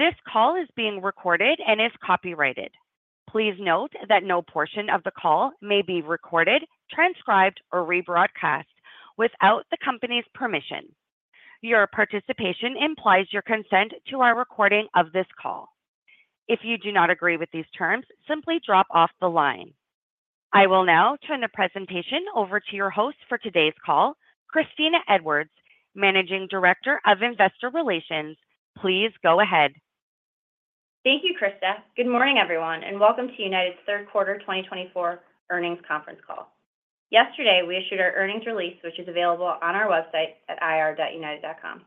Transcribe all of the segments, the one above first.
This call is being recorded and is copyrighted. Please note that no portion of the call may be recorded, transcribed, or rebroadcast without the company's permission. Your participation implies your consent to our recording of this call. If you do not agree with these terms, simply drop off the line. I will now turn the presentation over to your host for today's call, Kristina Edwards, Managing Director of Investor Relations. Please go ahead. Thank you, Krista. Good morning, everyone, and welcome to United's Third Quarter 2024 Earnings Conference Call. Yesterday, we issued our earnings release, which is available on our website at ir.united.com.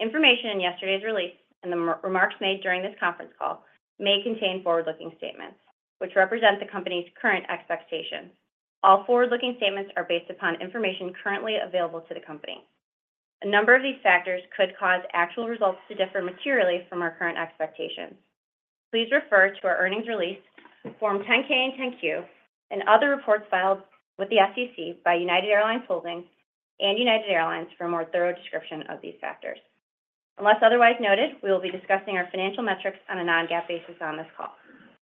Information in yesterday's release and the remarks made during this conference call may contain forward-looking statements, which represent the company's current expectations. All forward-looking statements are based upon information currently available to the company. A number of these factors could cause actual results to differ materially from our current expectations. Please refer to our earnings release, Form 10-K and 10-Q, and other reports filed with the SEC by United Airlines Holdings and United Airlines for a more thorough description of these factors. Unless otherwise noted, we will be discussing our financial metrics on a non-GAAP basis on this call.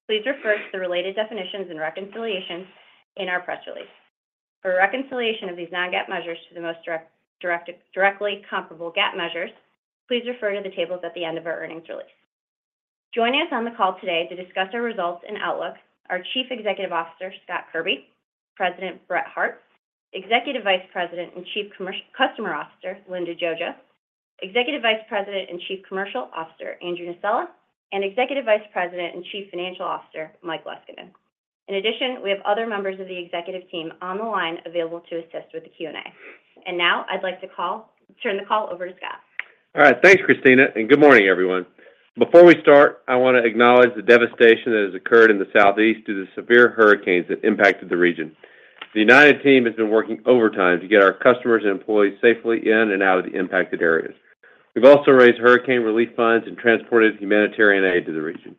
Please refer to the related definitions and reconciliations in our press release. For a reconciliation of these non-GAAP measures to the most directly comparable GAAP measures, please refer to the tables at the end of our earnings release. Joining us on the call today to discuss our results and outlook are Chief Executive Officer Scott Kirby; President Brett Hart; Executive Vice President and Chief Customer Officer Linda Jojo; Executive Vice President and Chief Commercial Officer Andrew Nocella; and Executive Vice President and Chief Financial Officer Mike Leskinen. In addition, we have other members of the executive team on the line available to assist with the Q&A. Now I'd like to turn the call over to Scott. All right, thanks, Kristina, and good morning, everyone. Before we start, I want to acknowledge the devastation that has occurred in the Southeast due to the severe hurricanes that impacted the region. The United team has been working overtime to get our customers and employees safely in and out of the impacted areas. We've also raised hurricane relief funds and transported humanitarian aid to the region.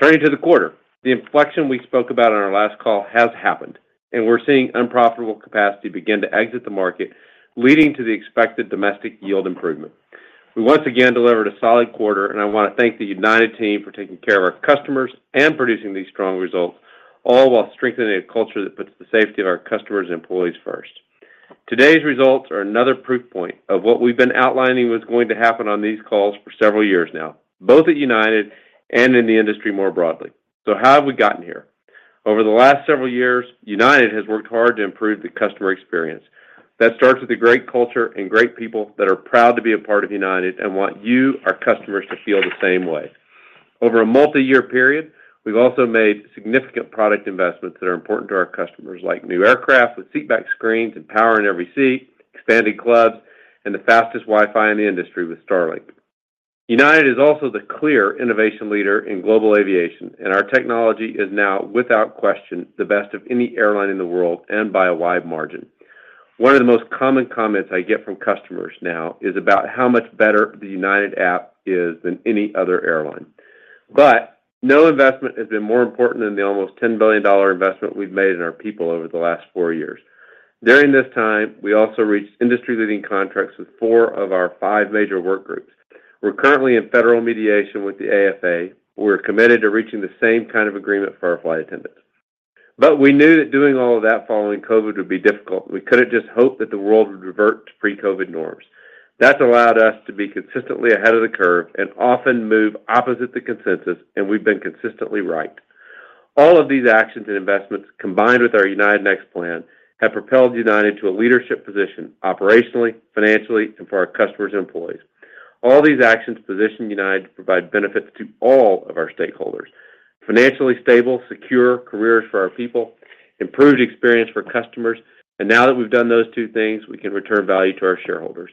Turning to the quarter, the inflection we spoke about on our last call has happened, and we're seeing unprofitable capacity begin to exit the market, leading to the expected domestic yield improvement. We once again delivered a solid quarter, and I want to thank the United team for taking care of our customers and producing these strong results, all while strengthening a culture that puts the safety of our customers and employees first. Today's results are another proof point of what we've been outlining was going to happen on these calls for several years now, both at United and in the industry more broadly. So how have we gotten here? Over the last several years, United has worked hard to improve the customer experience. That starts with a great culture and great people that are proud to be a part of United and want you, our customers, to feel the same way. Over a multi-year period, we've also made significant product investments that are important to our customers, like new aircraft with seatback screens and power in every seat, expanded clubs, and the fastest Wi-Fi in the industry with Starlink. United is also the clear innovation leader in global aviation, and our technology is now, without question, the best of any airline in the world, and by a wide margin. One of the most common comments I get from customers now is about how much better the United app is than any other airline. But no investment has been more important than the almost $10 billion investment we've made in our people over the last four years. During this time, we also reached industry-leading contracts with four of our five major work groups. We're currently in federal mediation with the AFA. We're committed to reaching the same kind of agreement for our flight attendants. But we knew that doing all of that following COVID would be difficult. We couldn't just hope that the world would revert to pre-COVID norms. That's allowed us to be consistently ahead of the curve and often move opposite to consensus, and we've been consistently right. All of these actions and investments, combined with our United Next plan, have propelled United to a leadership position operationally, financially, and for our customers and employees. All these actions position United to provide benefits to all of our stakeholders: financially stable, secure careers for our people, improved experience for customers, and now that we've done those two things, we can return value to our shareholders.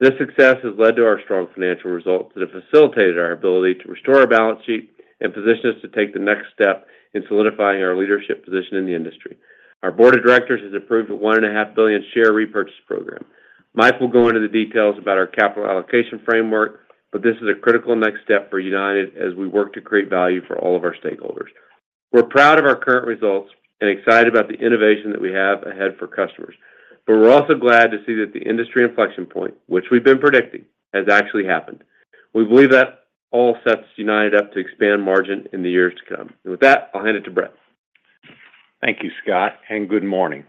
This success has led to our strong financial results that have facilitated our ability to restore our balance sheet and position us to take the next step in solidifying our leadership position in the industry. Our board of directors has approved a $1.5 billion share repurchase program. Mike will go into the details about our capital allocation framework, but this is a critical next step for United as we work to create value for all of our stakeholders. We're proud of our current results and excited about the innovation that we have ahead for customers. But we're also glad to see that the industry inflection point, which we've been predicting, has actually happened. We believe that all sets United up to expand margin in the years to come. And with that, I'll hand it to Brett. Thank you, Scott, and good morning.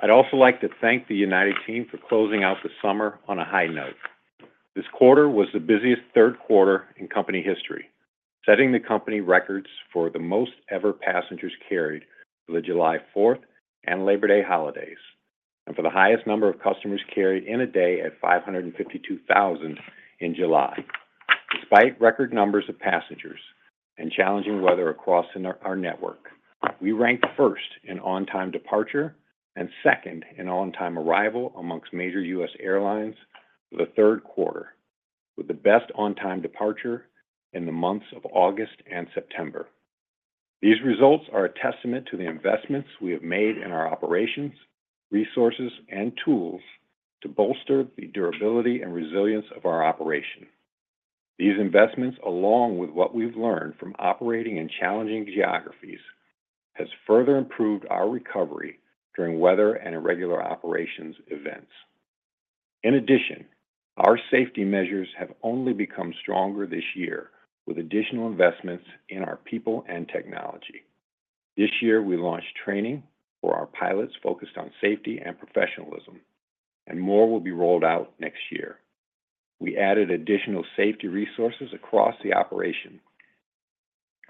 I'd also like to thank the United team for closing out the summer on a high note. This quarter was the busiest third quarter in company history, setting the company records for the most-ever passengers carried for the July Fourth and Labor Day holidays, and for the highest number of customers carried in a day at 552,000 in July. Despite record numbers of passengers and challenging weather across our network, we ranked first in on-time departure and second in on-time arrival amongst major U.S. airlines for the third quarter, with the best on-time departure in the months of August and September. These results are a testament to the investments we have made in our operations, resources, and tools to bolster the durability and resilience of our operation. These investments, along with what we've learned from operating in challenging geographies, has further improved our recovery during weather and irregular operations events. In addition, our safety measures have only become stronger this year with additional investments in our people and technology. This year, we launched training for our pilots focused on safety and professionalism, and more will be rolled out next year. We added additional safety resources across the operation,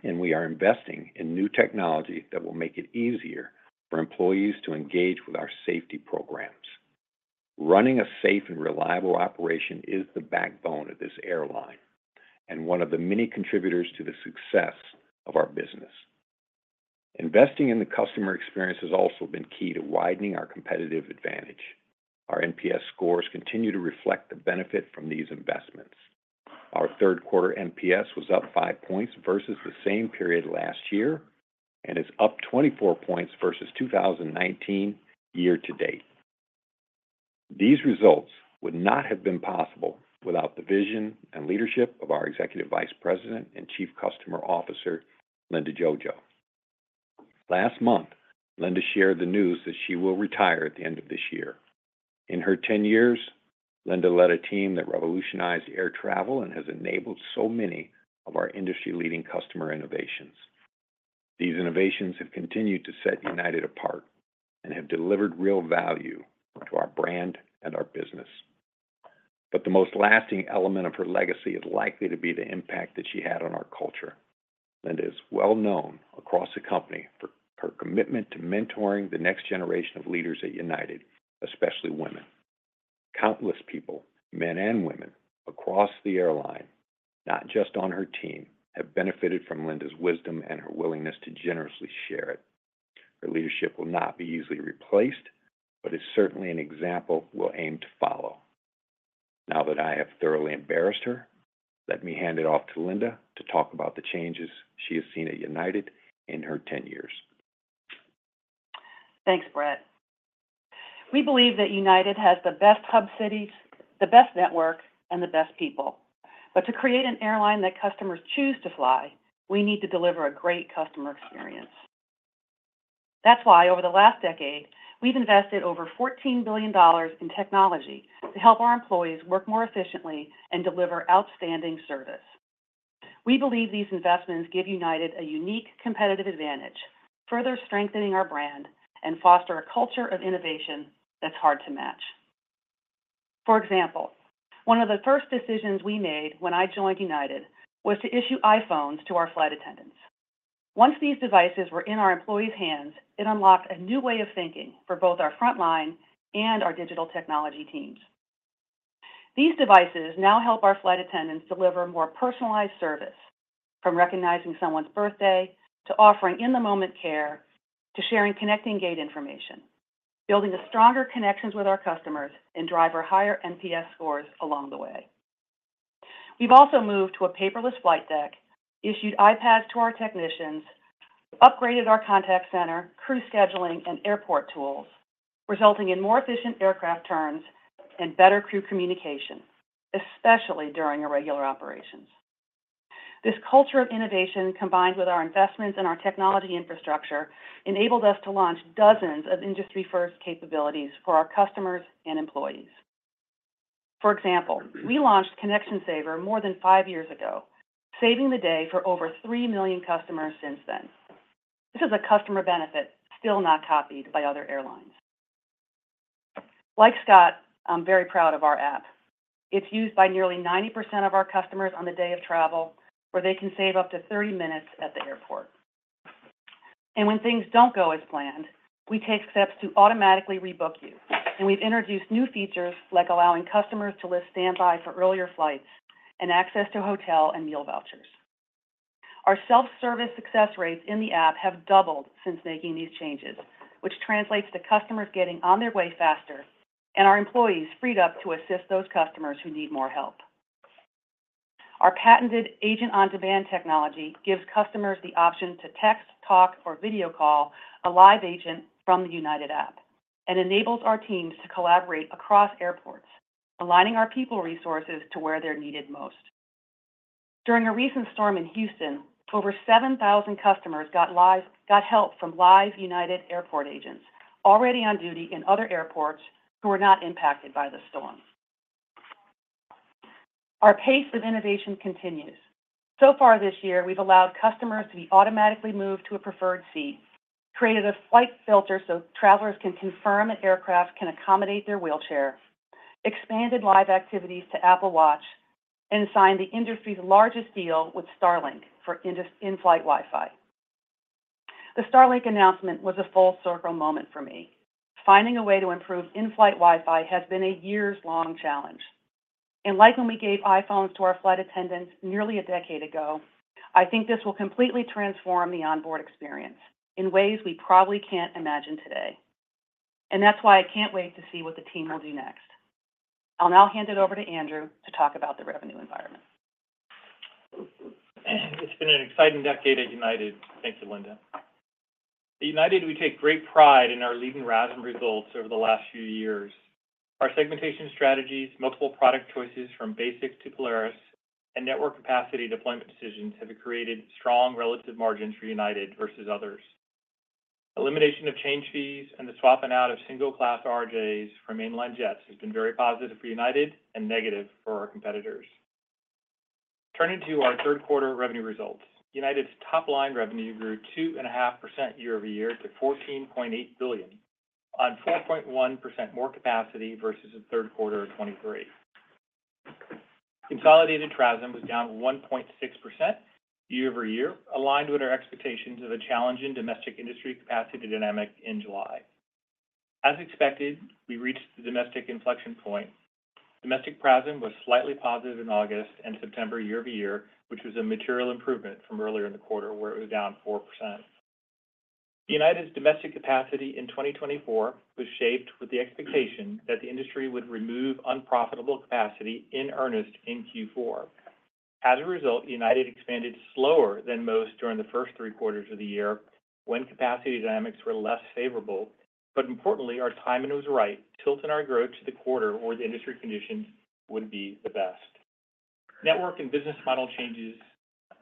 and we are investing in new technology that will make it easier for employees to engage with our safety programs. Running a safe and reliable operation is the backbone of this airline, and one of the many contributors to the success of our business. Investing in the customer experience has also been key to widening our competitive advantage. Our NPS scores continue to reflect the benefit from these investments. Our third quarter NPS was up five points versus the same period last year, and is up 24 points versus 2019 year to date. These results would not have been possible without the vision and leadership of our Executive Vice President and Chief Customer Officer, Linda Jojo. Last month, Linda shared the news that she will retire at the end of this year. In her ten years, Linda led a team that revolutionized air travel and has enabled so many of our industry-leading customer innovations. These innovations have continued to set United apart and have delivered real value to our brand and our business. But the most lasting element of her legacy is likely to be the impact that she had on our culture. Linda is well known across the company for her commitment to mentoring the next generation of leaders at United, especially women. Countless people, men and women, across the airline, not just on her team, have benefited from Linda's wisdom and her willingness to generously share it. Her leadership will not be easily replaced, but is certainly an example we'll aim to follow. Now that I have thoroughly embarrassed her, let me hand it off to Linda to talk about the changes she has seen at United in her 10 years. Thanks, Brett. We believe that United has the best hub cities, the best network, and the best people. But to create an airline that customers choose to fly, we need to deliver a great customer experience. That's why over the last decade, we've invested over $14 billion in technology to help our employees work more efficiently and deliver outstanding service. We believe these investments give United a unique competitive advantage, further strengthening our brand and foster a culture of innovation that's hard to match. For example, one of the first decisions we made when I joined United was to issue iPhones to our flight attendants. Once these devices were in our employees' hands, it unlocked a new way of thinking for both our frontline and our digital technology teams. These devices now help our flight attendants deliver more personalized service, from recognizing someone's birthday, to offering in-the-moment care, to sharing connecting gate information, building a stronger connections with our customers and drive our higher NPS scores along the way. We've also moved to a paperless flight deck, issued iPads to our technicians, upgraded our contact center, crew scheduling, and airport tools, resulting in more efficient aircraft turns and better crew communication, especially during irregular operations. This culture of innovation, combined with our investments in our technology infrastructure, enabled us to launch dozens of industry-first capabilities for our customers and employees. For example, we launched ConnectionSaver more than five years ago, saving the day for over three million customers since then. This is a customer benefit still not copied by other airlines. Like Scott, I'm very proud of our app. It's used by nearly 90% of our customers on the day of travel, where they can save up to 30 minutes at the airport, and when things don't go as planned, we take steps to automatically rebook you, and we've introduced new features like allowing customers to list standby for earlier flights and access to hotel and meal vouchers. Our self-service success rates in the app have doubled since making these changes, which translates to customers getting on their way faster and our employees freed up to assist those customers who need more help. Our patented Agent on Demand technology gives customers the option to text, talk, or video call a live agent from the United App and enables our teams to collaborate across airports, aligning our people resources to where they're needed most. During a recent storm in Houston, over seven thousand customers got help from live United airport agents already on duty in other airports who were not impacted by the storm. Our pace of innovation continues. So far this year, we've allowed customers to be automatically moved to a preferred seat, created a flight filter so travelers can confirm an aircraft can accommodate their wheelchair, expanded Live Activities to Apple Watch, and signed the industry's largest deal with Starlink for in-flight Wi-Fi. The Starlink announcement was a full-circle moment for me. Finding a way to improve in-flight Wi-Fi has been a years-long challenge, and like when we gave iPhones to our flight attendants nearly a decade ago, I think this will completely transform the onboard experience in ways we probably can't imagine today, and that's why I can't wait to see what the team will do next. I'll now hand it over to Andrew to talk about the revenue environment. It's been an exciting decade at United. Thank you, Linda. At United, we take great pride in our leading RASM results over the last few years. Our segmentation strategies, multiple product choices from Basic to Polaris, and network capacity deployment decisions have created strong relative margins for United versus others. ... Elimination of change fees and the swapping out of single-class RJs for mainline jets has been very positive for United and negative for our competitors. Turning to our third quarter revenue results, United's top-line revenue grew 2.5% year-over-year to $14.8 billion, on 4.1% more capacity versus the third quarter of 2023. Consolidated RASM was down 1.6% year-over-year, aligned with our expectations of a challenging domestic industry capacity dynamic in July. As expected, we reached the domestic inflection point. Domestic RASM was slightly positive in August and September year-over-year, which was a material improvement from earlier in the quarter, where it was down 4%. United's domestic capacity in 2024 was shaped with the expectation that the industry would remove unprofitable capacity in earnest in Q4. As a result, United expanded slower than most during the first three quarters of the year when capacity dynamics were less favorable. But importantly, our timing was right, tilting our growth to the quarter where the industry conditions would be the best. Network and business model changes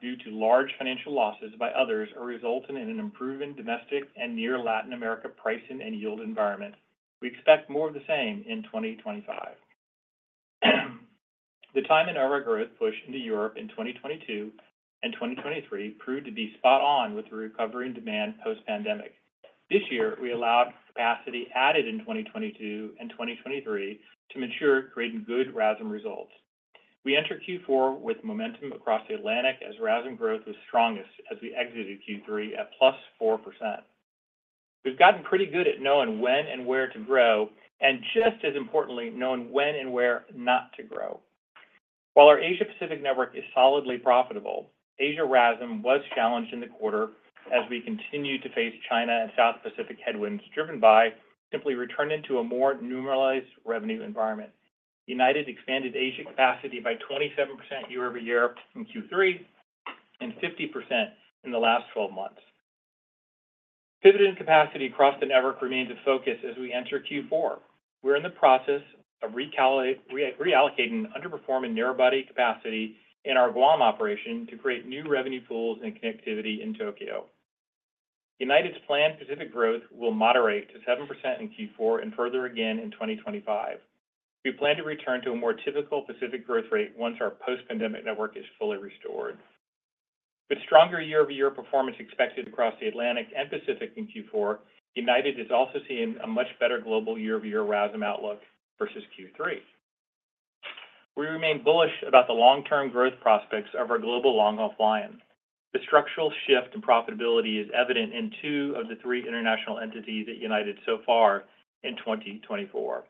due to large financial losses by others are resulting in an improving domestic and near Latin America pricing and yield environment. We expect more of the same in 2025. The timing of our growth push into Europe in 2022 and 2023 proved to be spot on with the recovery in demand post-pandemic. This year, we allowed capacity added in 2022 and 2023 to mature, creating good RASM results. We entered Q4 with momentum across the Atlantic as RASM growth was strongest as we exited Q3 at +4%. We've gotten pretty good at knowing when and where to grow, and just as importantly, knowing when and where not to grow. While our Asia Pacific network is solidly profitable, Asia RASM was challenged in the quarter as we continued to face China and South Pacific headwinds, driven by simply returning to a more normalized revenue environment. United expanded Asia capacity by 27% year-over-year from Q3 and 50% in the last 12 months. Pivoting capacity across the network remains a focus as we enter Q4. We're in the process of reallocating underperforming narrow-body capacity in our Guam operation to create new revenue pools and connectivity in Tokyo. United's planned Pacific growth will moderate to 7% in Q4 and further again in 2025. We plan to return to a more typical Pacific growth rate once our post-pandemic network is fully restored. With stronger year-over-year performance expected across the Atlantic and Pacific in Q4, United is also seeing a much better global year-over-year RASM outlook versus Q3. We remain bullish about the long-term growth prospects of our global long-haul flying. The structural shift in profitability is evident in two of the three international entities at United so far in 2024.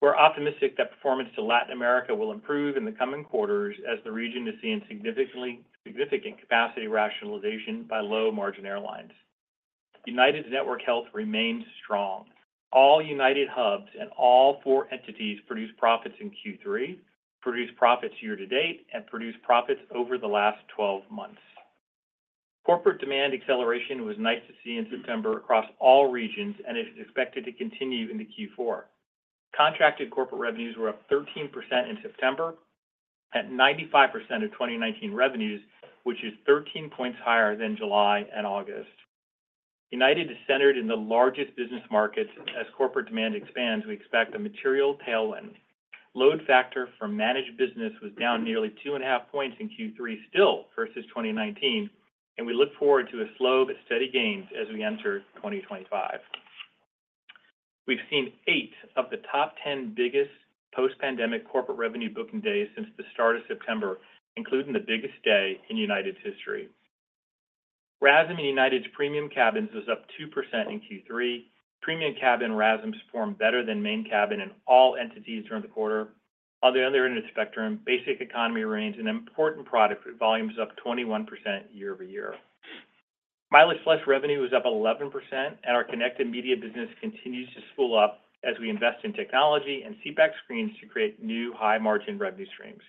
We're optimistic that performance to Latin America will improve in the coming quarters as the region is seeing significant capacity rationalization by low-margin airlines. United's network health remains strong. All United hubs and all four entities produced profits in Q3, produced profits year to date, and produced profits over the last 12 months. Corporate demand acceleration was nice to see in September across all regions and is expected to continue into Q4. Contracted corporate revenues were up 13% in September, at 95% of 2019 revenues, which is 13 points higher than July and August. United is centered in the largest business markets. As corporate demand expands, we expect a material tailwind. Load factor for managed business was down nearly two and a half points in Q3 still versus 2019, and we look forward to a slow but steady gains as we enter 2025. We've seen eight of the top 10 biggest post-pandemic corporate revenue booking days since the start of September, including the biggest day in United's history. RASM in United's premium cabins was up two percent in Q3. Premium cabin RASMs performed better than main cabin in all entities during the quarter. On the other end of the spectrum, Basic Economy remains an important product, with volumes up 21% year-over-year. MileagePlus revenue was up 11%, and our Kinective Media business continues to spool up as we invest in technology and seatback screens to create new high-margin revenue streams.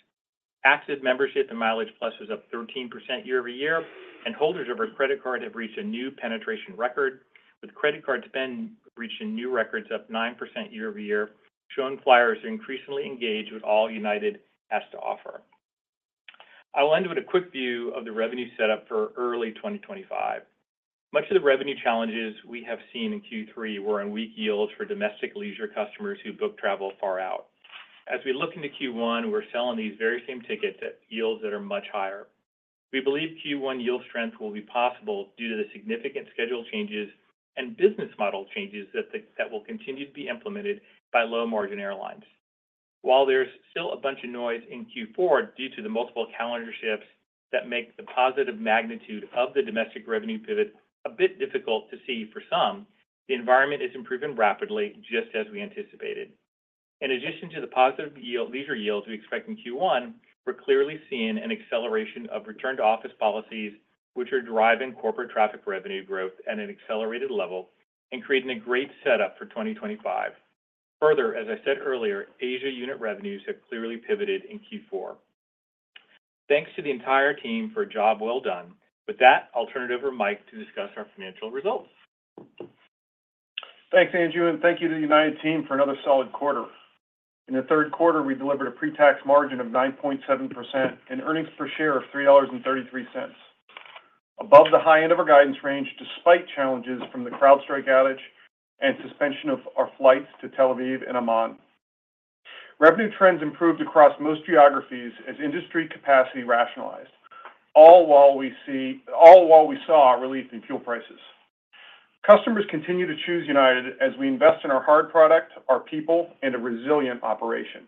Active membership in MileagePlus is up 13% year-over-year, and holders of our credit card have reached a new penetration record, with credit card spend reaching new records up nine percent year-over-year, showing flyers are increasingly engaged with all United has to offer. I will end with a quick view of the revenue setup for early 2025. Much of the revenue challenges we have seen in Q3 were on weak yields for domestic leisure customers who book travel far out. As we look into Q1, we're selling these very same tickets at yields that are much higher. We believe Q1 yield strength will be possible due to the significant schedule changes and business model changes that will continue to be implemented by low-margin airlines. While there's still a bunch of noise in Q4 due to the multiple calendar shifts that make the positive magnitude of the domestic revenue pivot a bit difficult to see for some, the environment is improving rapidly, just as we anticipated. In addition to the positive leisure yields we expect in Q1, we're clearly seeing an acceleration of return-to-office policies, which are driving corporate traffic revenue growth at an accelerated level and creating a great setup for 2025. Further, as I said earlier, Asia unit revenues have clearly pivoted in Q4. Thanks to the entire team for a job well done. With that, I'll turn it over to Mike to discuss our financial results.... Thanks, Andrew, and thank you to the United Team for another solid quarter. In the third quarter, we delivered a pre-tax margin of 9.7% and earnings per share of $3.33, above the high end of our guidance range, despite challenges from the CrowdStrike outage and suspension of our flights to Tel Aviv and Amman. Revenue trends improved across most geographies as industry capacity rationalized, all while we saw a relief in fuel prices. Customers continue to choose United as we invest in our hard product, our people, and a resilient operation.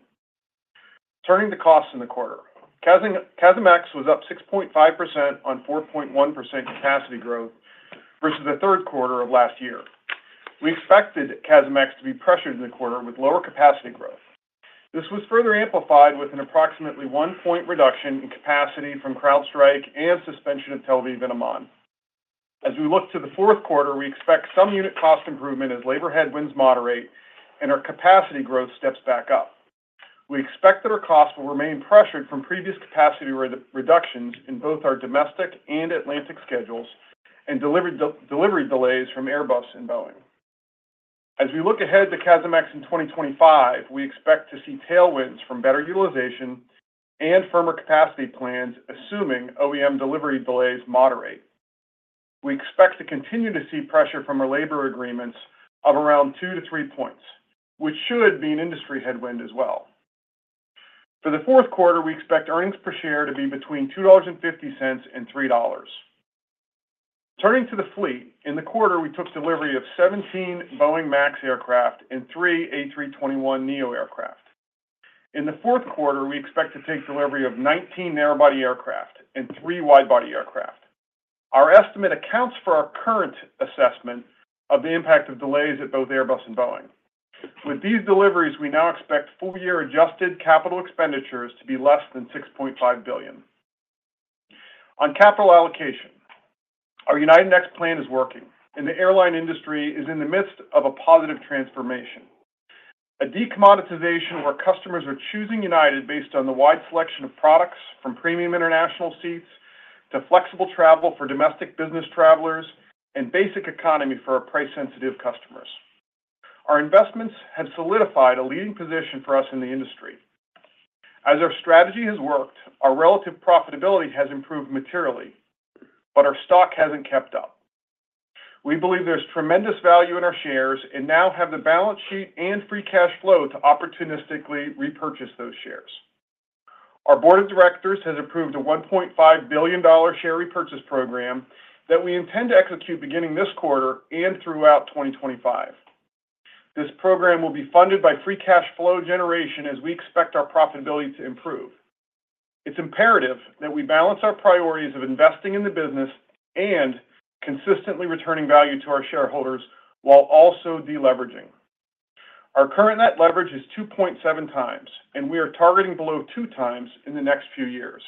Turning to costs in the quarter. CASM-ex was up 6.5% on 4.1% capacity growth versus the third quarter of last year. We expected CASM-ex to be pressured in the quarter with lower capacity growth. This was further amplified with an approximately one-point reduction in capacity from CrowdStrike and suspension of Tel Aviv and Amman. As we look to the fourth quarter, we expect some unit cost improvement as labor headwinds moderate and our capacity growth steps back up. We expect that our costs will remain pressured from previous capacity reductions in both our domestic and Atlantic schedules and delivery delays from Airbus and Boeing. As we look ahead to CASM-ex in 2025, we expect to see tailwinds from better utilization and firmer capacity plans, assuming OEM delivery delays moderate. We expect to continue to see pressure from our labor agreements of around two to three points, which should be an industry headwind as well. For the fourth quarter, we expect earnings per share to be between $2.50 and $3.00. Turning to the fleet, in the quarter, we took delivery of seventeen Boeing MAX aircraft and three A321neo aircraft. In the fourth quarter, we expect to take delivery of nineteen narrow-body aircraft and three wide-body aircraft. Our estimate accounts for our current assessment of the impact of delays at both Airbus and Boeing. With these deliveries, we now expect full-year adjusted capital expenditures to be less than $6.5 billion. On capital allocation, our United Next plan is working, and the airline industry is in the midst of a positive transformation, a decommoditization where customers are choosing United based on the wide selection of products, from premium international seats to flexible travel for domestic business travelers and Basic Economy for our price-sensitive customers. Our investments have solidified a leading position for us in the industry. As our strategy has worked, our relative profitability has improved materially, but our stock hasn't kept up. We believe there's tremendous value in our shares and now have the balance sheet and free cash flow to opportunistically repurchase those shares. Our board of directors has approved a $1.5 billion share repurchase program that we intend to execute beginning this quarter and throughout 2025. This program will be funded by free cash flow generation as we expect our profitability to improve. It's imperative that we balance our priorities of investing in the business and consistently returning value to our shareholders while also deleveraging. Our current net leverage is 2.7x, and we are targeting below 2x in the next few years.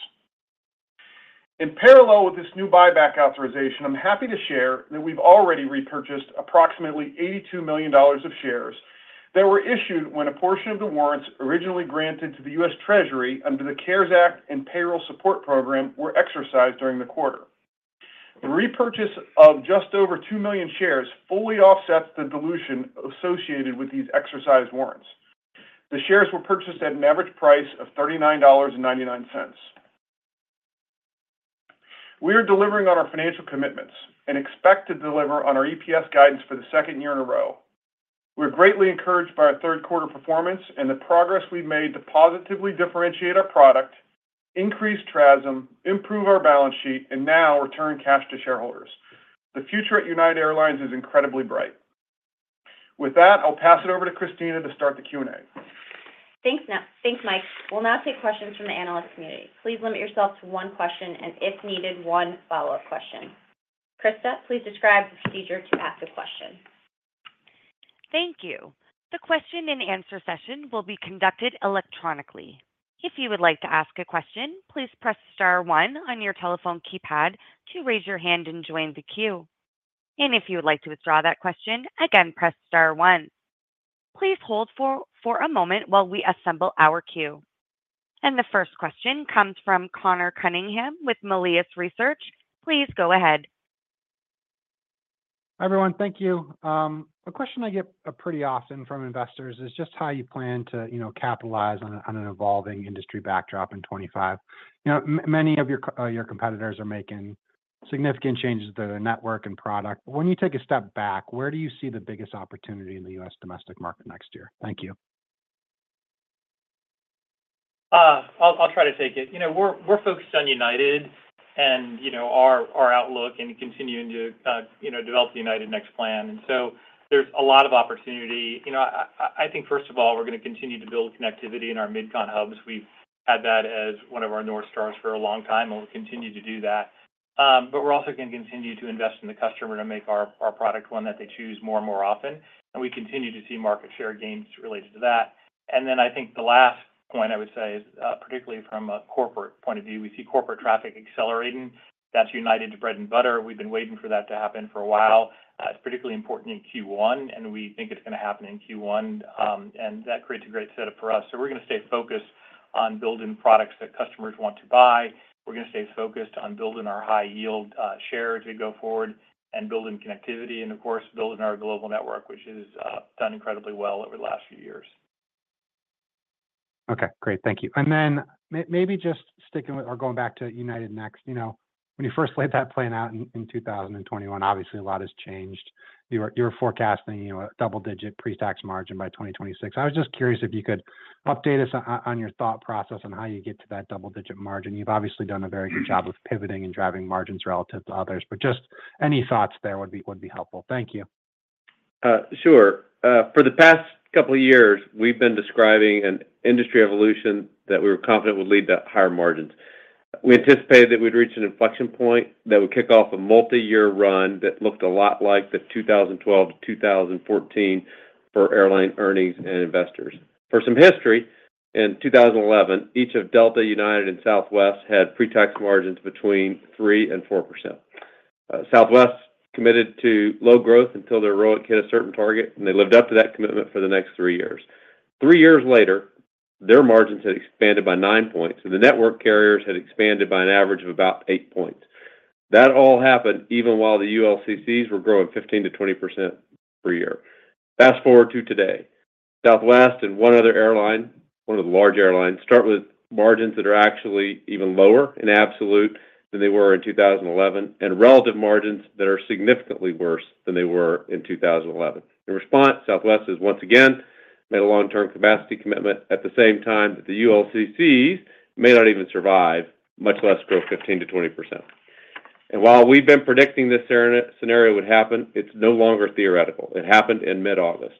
In parallel with this new buyback authorization, I'm happy to share that we've already repurchased approximately $82 million of shares that were issued when a portion of the warrants originally granted to the U.S. Treasury under the CARES Act and Payroll Support Program were exercised during the quarter. The repurchase of just over 2 million shares fully offsets the dilution associated with these exercised warrants. The shares were purchased at an average price of $39.99. We are delivering on our financial commitments and expect to deliver on our EPS guidance for the second year in a row. We're greatly encouraged by our third quarter performance and the progress we've made to positively differentiate our product, increase TRASM, improve our balance sheet, and now return cash to shareholders. The future at United Airlines is incredibly bright. With that, I'll pass it over to Kristina to start the Q&A. Thanks, Mike. We'll now take questions from the analyst community. Please limit yourself to one question and, if needed, one follow-up question. Krista, please describe the procedure to ask a question. Thank you. The question-and-answer session will be conducted electronically. If you would like to ask a question, please press star one on your telephone keypad to raise your hand and join the queue, and if you would like to withdraw that question, again, press star one. Please hold for a moment while we assemble our queue, and the first question comes from Conor Cunningham with Melius Research. Please go ahead. Hi, everyone. Thank you. A question I get pretty often from investors is just how you plan to, you know, capitalize on an evolving industry backdrop in 2025. You know, many of your competitors are making significant changes to their network and product. But when you take a step back, where do you see the biggest opportunity in the U.S. domestic market next year? Thank you. I'll try to take it. You know, we're focused on United and you know, our outlook and continuing to develop the United Next plan, and so there's a lot of opportunity. You know, I think, first of all, we're gonna continue to build connectivity in our mid-con hubs. We've had that as one of our North Stars for a long time, and we'll continue to do that. But we're also gonna continue to invest in the customer to make our product one that they choose more and more often, and we continue to see market share gains related to that. Then I think the last point I would say is, particularly from a corporate point of view, we see corporate traffic accelerating. That's United's bread and butter. We've been waiting for that to happen for a while. It's particularly important in Q1, and we think it's gonna happen in Q1, and that creates a great setup for us. So we're gonna stay focused-... on building products that customers want to buy. We're going to stay focused on building our high-yield share as we go forward and building connectivity, and of course, building our global network, which has done incredibly well over the last few years. Okay, great. Thank you. And then maybe just sticking with or going back to United Next. You know, when you first laid that plan out in 2021, obviously, a lot has changed. You were forecasting, you know, a double-digit pre-tax margin by 2026. I was just curious if you could update us on your thought process on how you get to that double-digit margin. You've obviously done a very good job of pivoting and driving margins relative to others, but just any thoughts there would be helpful. Thank you. Sure. For the past couple of years, we've been describing an industry evolution that we were confident would lead to higher margins. We anticipated that we'd reach an inflection point that would kick off a multi-year run that looked a lot like the 2012-2014 for airline earnings and investors. For some history, in 2011, each of Delta, United, and Southwest had pre-tax margins between 3% and 4%. Southwest committed to low growth until their ROIC hit a certain target, and they lived up to that commitment for the next three years. Three years later, their margins had expanded by nine points, and the network carriers had expanded by an average of about eight points. That all happened even while the ULCCs were growing 15%-20% per year. Fast forward to today, Southwest and one other airline, one of the large airlines, start with margins that are actually even lower in absolute than they were in 2011, and relative margins that are significantly worse than they were in 2011. In response, Southwest has once again made a long-term capacity commitment at the same time that the ULCCs may not even survive, much less grow 15%-20%. And while we've been predicting this scenario would happen, it's no longer theoretical. It happened in mid-August.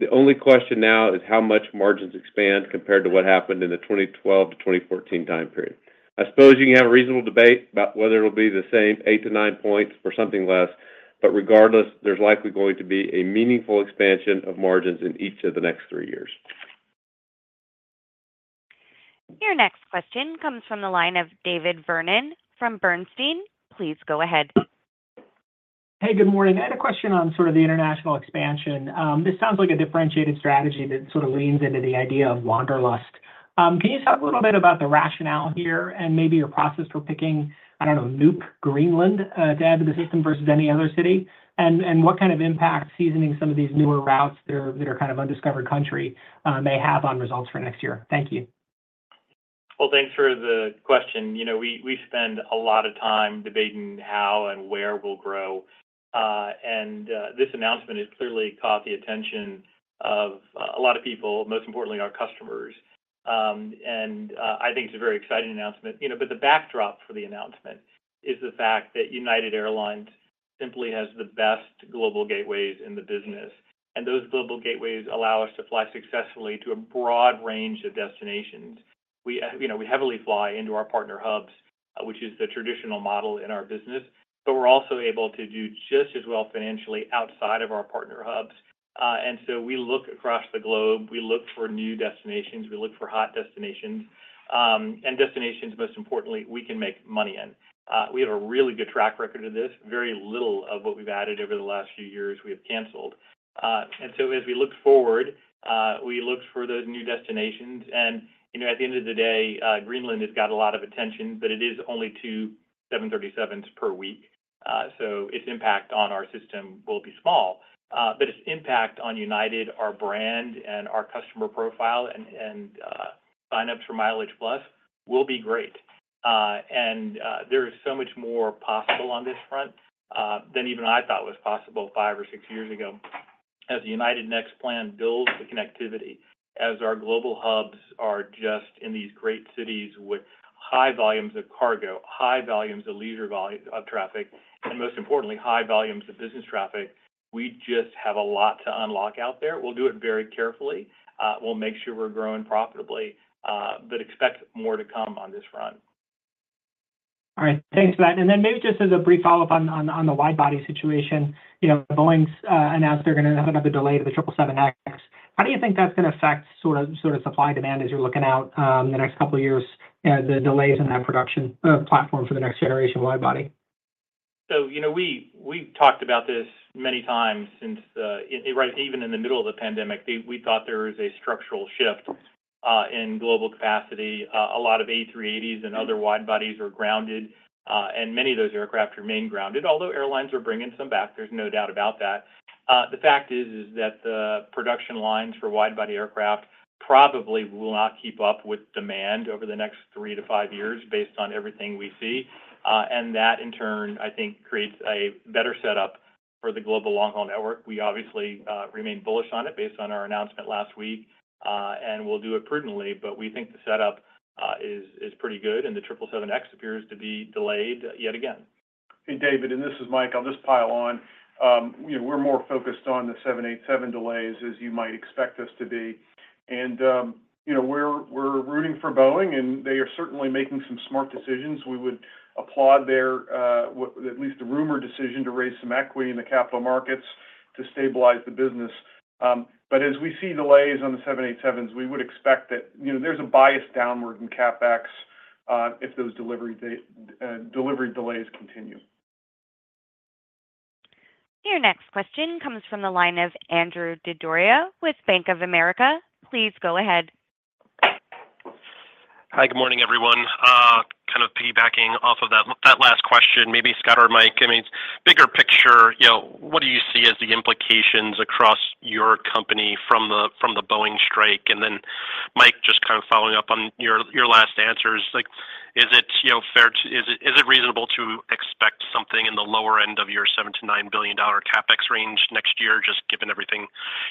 The only question now is how much margins expand compared to what happened in the 2012-2014 time period. I suppose you can have a reasonable debate about whether it'll be the same eight-to-nine points or something less, but regardless, there's likely going to be a meaningful expansion of margins in each of the next three years. Your next question comes from the line of David Vernon from Bernstein. Please go ahead. Hey, good morning. I had a question on sort of the international expansion. This sounds like a differentiated strategy that sort of leans into the idea of wanderlust. Can you talk a little bit about the rationale here and maybe your process for picking, I don't know, Nuuk, Greenland, to add to the system versus any other city? And what kind of impact seasoning some of these newer routes that are kind of undiscovered country may have on results for next year? Thank you. Thanks for the question. You know, we spend a lot of time debating how and where we'll grow. This announcement has clearly caught the attention of a lot of people, most importantly, our customers. I think it's a very exciting announcement. You know, but the backdrop for the announcement is the fact that United Airlines simply has the best global gateways in the business, and those global gateways allow us to fly successfully to a broad range of destinations. You know, we heavily fly into our partner hubs, which is the traditional model in our business, but we're also able to do just as well financially outside of our partner hubs, and so we look across the globe, we look for new destinations, we look for hot destinations, and destinations, most importantly, we can make money in. We have a really good track record of this. Very little of what we've added over the last few years, we have canceled. And so as we look forward, we look for those new destinations. And, you know, at the end of the day, Greenland has got a lot of attention, but it is only two 737s per week. So its impact on our system will be small, but its impact on United, our brand, and our customer profile, and, and, sign-ups for MileagePlus will be great. And, there is so much more possible on this front, than even I thought was possible five or six years ago. As the United Next plan builds the connectivity, as our global hubs are just in these great cities with high volumes of cargo, high volumes of leisure traffic, and most importantly, high volumes of business traffic, we just have a lot to unlock out there. We'll do it very carefully. We'll make sure we're growing profitably, but expect more to come on this front. All right. Thanks for that. And then maybe just as a brief follow-up on the wide-body situation. You know, Boeing's announced they're gonna have another delay to the 777X. How do you think that's gonna affect sort of supply and demand as you're looking out the next couple of years, the delays in that production platform for the next generation wide-body? So, you know, we, we've talked about this many times since, right, even in the middle of the pandemic. We, we thought there was a structural shift in global capacity. A lot of A380s and other wide-bodies were grounded, and many of those aircraft remain grounded, although airlines are bringing some back. There's no doubt about that. The fact is that the production lines for wide-body aircraft probably will not keep up with demand over the next three to five years based on everything we see. And that, in turn, I think, creates a better setup for the global long-haul network. We obviously remain bullish on it based on our announcement last week, and we'll do it prudently, but we think the setup is pretty good, and the 777X appears to be delayed yet again. Hey, David, and this is Mike. I'll just pile on. You know, we're more focused on the 787 delays, as you might expect us to be, and you know, we're rooting for Boeing, and they are certainly making some smart decisions. We would applaud their, at least the rumored decision to raise some equity in the capital markets to stabilize the business, but as we see delays on the 787s, we would expect that, you know, there's a bias downward in CapEx, if those delivery delays continue.... Your next question comes from the line of Andrew Didora with Bank of America. Please go ahead. Hi, good morning, everyone. Kind of piggybacking off of that last question, maybe Scott or Mike, I mean, bigger picture, you know, what do you see as the implications across your company from the Boeing strike? And then, Mike, just kind of following up on your last answers, like, is it reasonable to expect something in the lower end of your $7 billion-$9 billion CapEx range next year, just given everything,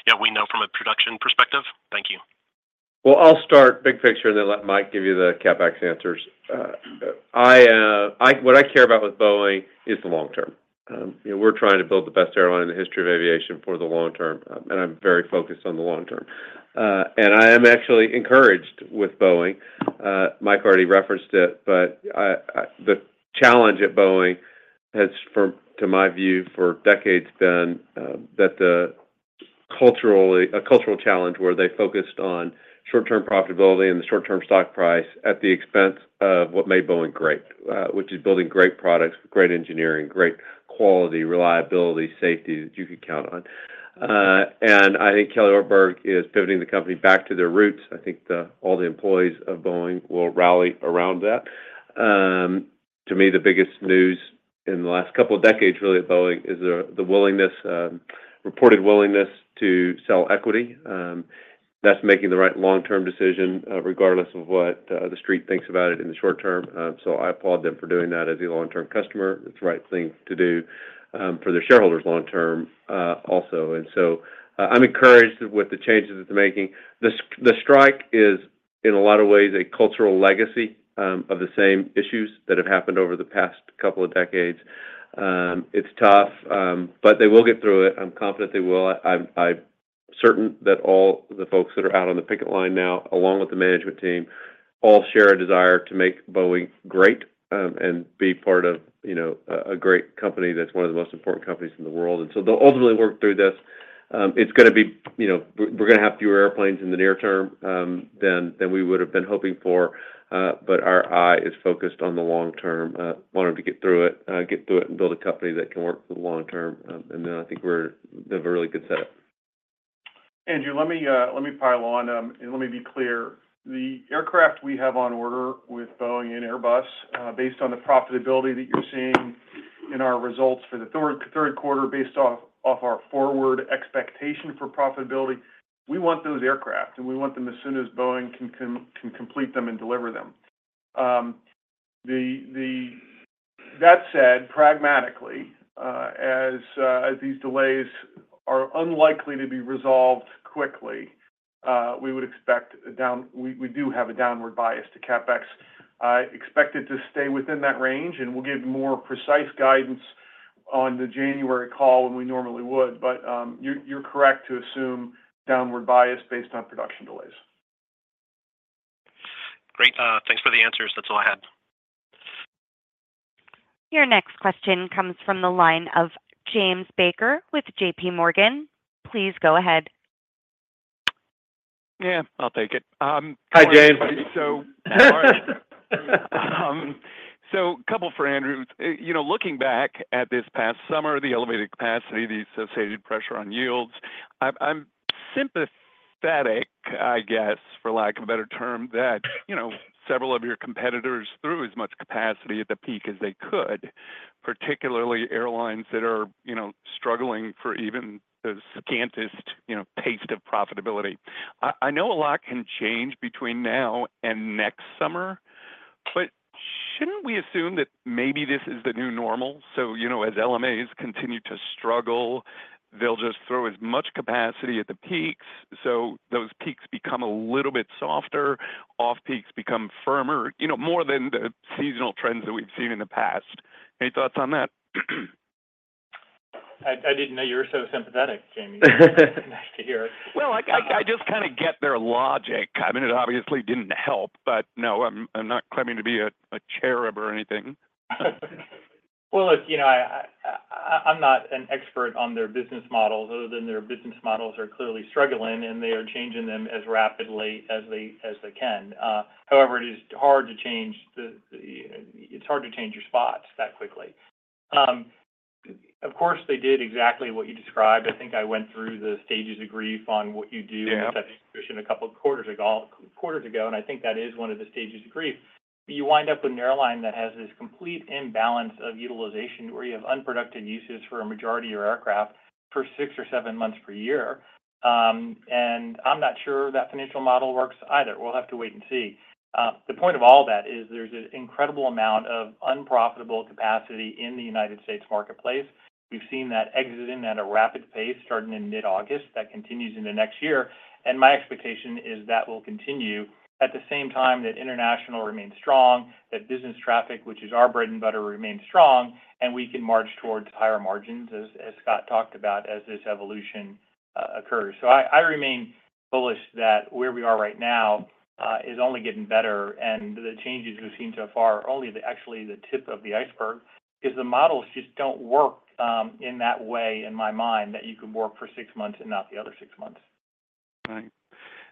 you know, we know from a production perspective? Thank you. I'll start big picture, and then let Mike give you the CapEx answers. What I care about with Boeing is the long term. You know, we're trying to build the best airline in the history of aviation for the long term, and I'm very focused on the long term. And I am actually encouraged with Boeing. Mike already referenced it, but the challenge at Boeing has, to my view, for decades been a cultural challenge where they focused on short-term profitability and the short-term stock price at the expense of what made Boeing great, which is building great products, great engineering, great quality, reliability, safety that you could count on. And I think Kelly Ortberg is pivoting the company back to their roots. I think all the employees of Boeing will rally around that. To me, the biggest news in the last couple of decades, really, at Boeing is the reported willingness to sell equity. That's making the right long-term decision, regardless of what the street thinks about it in the short term. So I applaud them for doing that as a long-term customer. It's the right thing to do, for their shareholders long term, also. And so I'm encouraged with the changes that they're making. The strike is, in a lot of ways, a cultural legacy, of the same issues that have happened over the past couple of decades. It's tough, but they will get through it. I'm confident they will. I'm certain that all the folks that are out on the picket line now, along with the management team, all share a desire to make Boeing great and be part of, you know, a great company that's one of the most important companies in the world. So they'll ultimately work through this. It's gonna be. You know, we're gonna have fewer airplanes in the near term than we would have been hoping for, but our eye is focused on the long term, wanting to get through it and build a company that can work for the long term. Then I think we have a really good setup. Andrew, let me pile on, and let me be clear. The aircraft we have on order with Boeing and Airbus, based on the profitability that you're seeing in our results for the third quarter, based off our forward expectation for profitability, we want those aircraft, and we want them as soon as Boeing can complete them and deliver them. That said, pragmatically, as these delays are unlikely to be resolved quickly, we do have a downward bias to CapEx. I expect it to stay within that range, and we'll give more precise guidance on the January call than we normally would, but you're correct to assume downward bias based on production delays. Great. Thanks for the answers. That's all I had. Your next question comes from the line of Jamie Baker with JPMorgan. Please go ahead. Yeah, I'll take it. Hi, James. So couple for Andrew. You know, looking back at this past summer, the elevated capacity, the associated pressure on yields, I'm sympathetic, I guess, for lack of a better term, that, you know, several of your competitors threw as much capacity at the peak as they could, particularly airlines that are, you know, struggling for even the scantest, you know, taste of profitability. I know a lot can change between now and next summer, but shouldn't we assume that maybe this is the new normal? So, you know, as LMAs continue to struggle, they'll just throw as much capacity at the peaks, so those peaks become a little bit softer, off peaks become firmer, you know, more than the seasonal trends that we've seen in the past. Any thoughts on that? I didn't know you were so sympathetic, Jamie. Nice to hear it. I just kind of get their logic. I mean, it obviously didn't help, but no, I'm not claiming to be a cherub or anything. Well, look, you know, I'm not an expert on their business models, other than their business models are clearly struggling, and they are changing them as rapidly as they can. However, it is hard to change your spots that quickly. Of course, they did exactly what you described. I think I went through the stages of grief on what you do- Yeah in such a position a couple quarters ago, and I think that is one of the stages of grief. You wind up with an airline that has this complete imbalance of utilization, where you have unproductive uses for a majority of your aircraft for six or seven months per year. And I'm not sure that financial model works either. We'll have to wait and see. The point of all that is there's an incredible amount of unprofitable capacity in the United States marketplace. We've seen that exiting at a rapid pace, starting in mid-August, that continues into next year, and my expectation is that will continue. At the same time, that international remains strong, that business traffic, which is our bread and butter, remains strong, and we can march towards higher margins, as, as Scott talked about, as this evolution occurs. So, I, I remain bullish that where we are right now is only getting better, and the changes we've seen so far are only actually the tip of the iceberg, 'cause the models just don't work in that way, in my mind, that you could work for six months and not the other six months.... Right.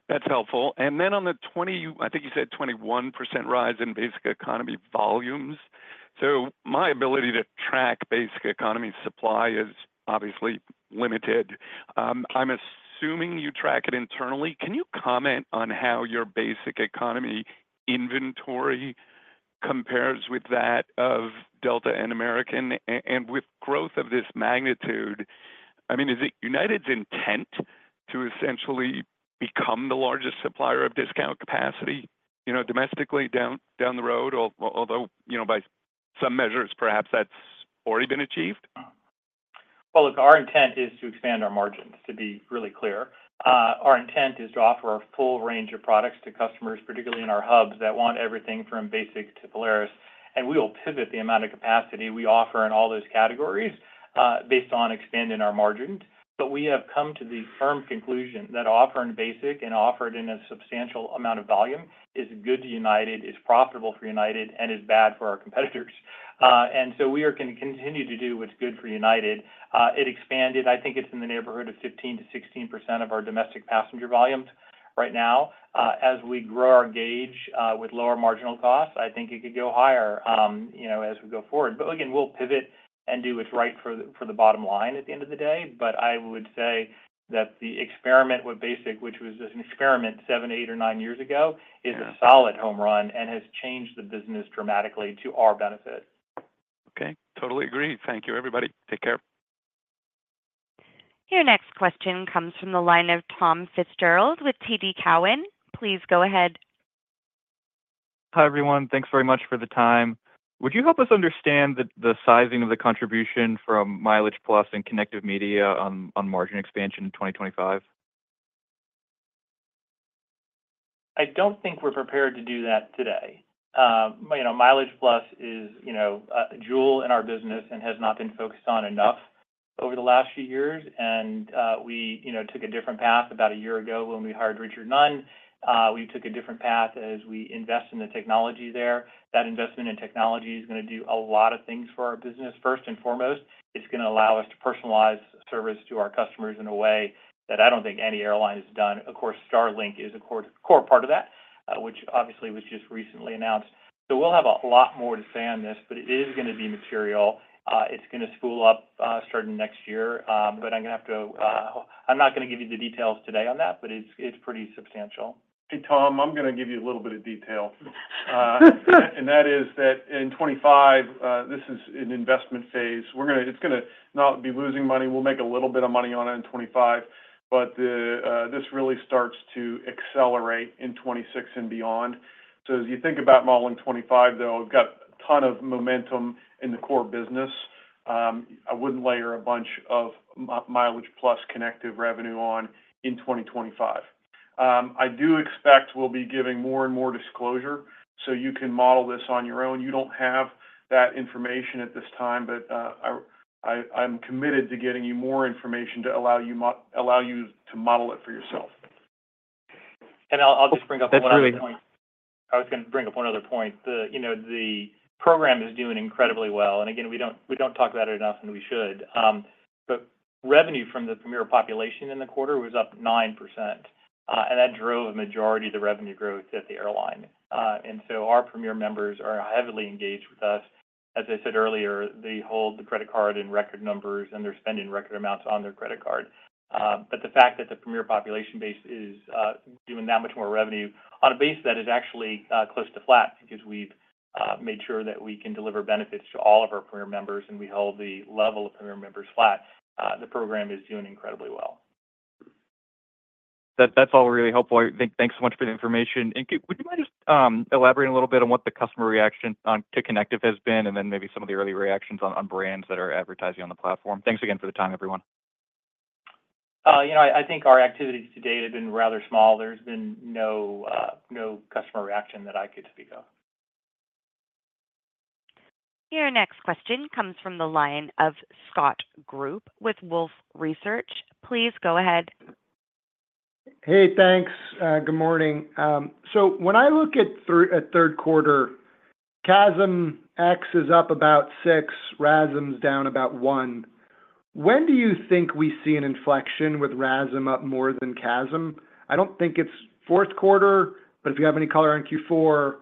That's helpful. And then on the twenty, I think you said 21% rise in basic economy volumes. So my ability to track basic economy supply is obviously limited. I'm assuming you track it internally. Can you comment on how your basic economy inventory compares with that of Delta and American? And with growth of this magnitude, I mean, is it United's intent to essentially become the largest supplier of discount capacity, you know, domestically down the road, although, you know, by some measures, perhaps that's already been achieved? Look, our intent is to expand our margins, to be really clear. Our intent is to offer a full range of products to customers, particularly in our hubs, that want everything from basic to Polaris, and we will pivot the amount of capacity we offer in all those categories, based on expanding our margins, but we have come to the firm conclusion that offering basic and offered in a substantial amount of volume is good to United, is profitable for United, and is bad for our competitors, and so we are gonna continue to do what's good for United. It expanded. I think it's in the neighborhood of 15%-16% of our domestic passenger volumes right now. As we grow our gauge, with lower marginal costs, I think it could go higher, you know, as we go forward. But again, we'll pivot and do what's right for the bottom line at the end of the day. But I would say that the experiment with Basic, which was an experiment seven, eight, or nine years ago, is a solid home run and has changed the business dramatically to our benefit. Okay. Totally agree. Thank you, everybody. Take care. Your next question comes from the line of Tom Fitzgerald with TD Cowen. Please go ahead. Hi, everyone. Thanks very much for the time. Would you help us understand the sizing of the contribution from MileagePlus and Kinective Media on margin expansion in 2025? I don't think we're prepared to do that today. You know, MileagePlus is, you know, a jewel in our business and has not been focused on enough over the last few years, and, we, you know, took a different path about a year ago when we hired Richard Nunn. We took a different path as we invest in the technology there. That investment in technology is gonna do a lot of things for our business. First and foremost, it's gonna allow us to personalize service to our customers in a way that I don't think any airline has done. Of course, Starlink is a core, core part of that, which obviously was just recently announced. So we'll have a lot more to say on this, but it is gonna be material. It's gonna spool up, starting next year. But I'm gonna have to. I'm not gonna give you the details today on that, but it's, it's pretty substantial. Hey, Tom, I'm gonna give you a little bit of detail, and that is that in 2025, this is an investment phase. It's gonna not be losing money. We'll make a little bit of money on it in 2025, but this really starts to accelerate in 2026 and beyond. So as you think about modeling 2025, though, we've got a ton of momentum in the core business. I wouldn't layer a bunch of MileagePlus Kinective revenue on in 2025. I do expect we'll be giving more and more disclosure, so you can model this on your own. You don't have that information at this time, but I'm committed to getting you more information to allow you to model it for yourself. And I'll just bring up one other point. That's really- I was gonna bring up one other point. You know, the program is doing incredibly well, and again, we don't talk about it enough, and we should. But revenue from the Premier population in the quarter was up 9%, and that drove a majority of the revenue growth at the airline. And so our Premier members are heavily engaged with us. As I said earlier, they hold the credit card in record numbers, and they're spending record amounts on their credit card. But the fact that the Premier population base is doing that much more revenue on a base that is actually close to flat because we've made sure that we can deliver benefits to all of our Premier members, and we hold the level of Premier members flat. The program is doing incredibly well. That's all really helpful. Thanks so much for the information. Would you mind just elaborating a little bit on what the customer reaction to Kinective has been, and then maybe some of the early reactions on brands that are advertising on the platform? Thanks again for the time, everyone. you know, I think our activities to date have been rather small. There's been no customer reaction that I could speak of. Your next question comes from the line of Scott Group with Wolfe Research. Please go ahead. Hey, thanks. Good morning. So when I look at third quarter, CASM-ex is up about six, RASM's down about one. When do you think we see an inflection with RASM up more than CASM? I don't think it's fourth quarter, but if you have any color on Q4?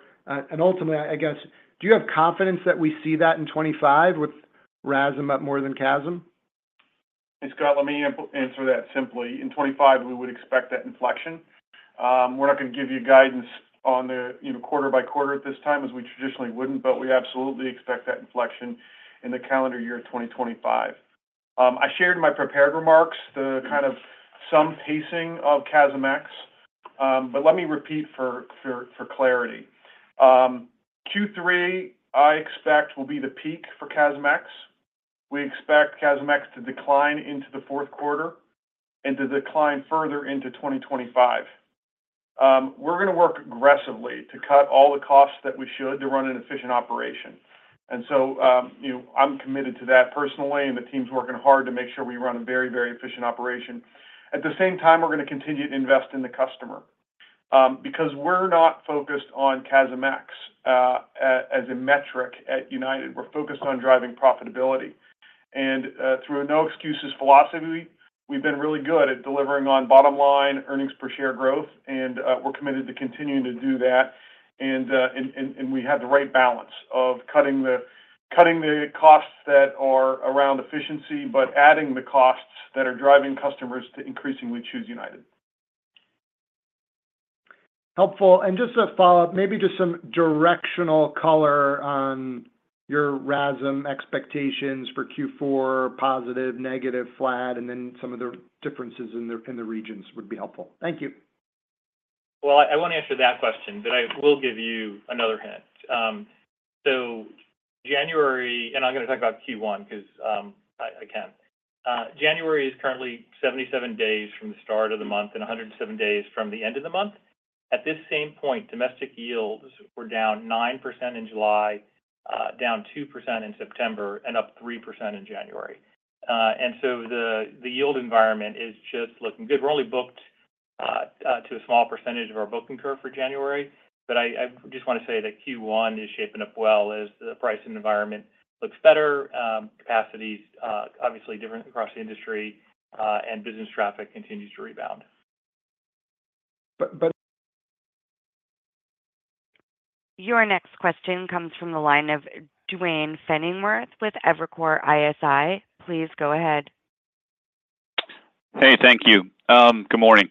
And ultimately, I guess, do you have confidence that we see that in 2025, with RASM up more than CASM? Hey, Scott, let me answer that simply. In 2025, we would expect that inflection. We're not going to give you guidance on the, you know, quarter-by-quarter at this time, as we traditionally wouldn't, but we absolutely expect that inflection in the calendar year of 2025. I shared my prepared remarks, the kind of some pacing of CASM-ex, but let me repeat for clarity. Q3, I expect, will be the peak for CASM-ex. We expect CASM-ex to decline into the fourth quarter and to decline further into 2025. We're gonna work aggressively to cut all the costs that we should to run an efficient operation. And so, you know, I'm committed to that personally, and the team's working hard to make sure we run a very, very efficient operation. At the same time, we're gonna continue to invest in the customer because we're not focused on CASM-ex as a metric at United. We're focused on driving profitability. And through a no-excuses philosophy, we've been really good at delivering on bottom line earnings per share growth, and we're committed to continuing to do that. And we have the right balance of cutting the costs that are around efficiency, but adding the costs that are driving customers to increasingly choose United. Helpful. And just a follow-up, maybe just some directional color on your RASM expectations for Q4, positive, negative, flat, and then some of the differences in the regions would be helpful. Thank you. Well, I won't answer that question, but I will give you another hint. So January. And I'm gonna talk about Q1 because I can. January is currently 77 days from the start of the month and a 107 days from the end of the month. At this same point, domestic yields were down nine percent in July, down two percent in September, and up three percent in January. And so the yield environment is just looking good. We're only booked to a small percentage of our booking curve for January, but I just want to say that Q1 is shaping up well as the pricing environment looks better, capacity's obviously different across the industry, and business traffic continues to rebound. But, but- Your next question comes from the line of Duane Pfennigwerth with Evercore ISI. Please go ahead. Hey, thank you. Good morning.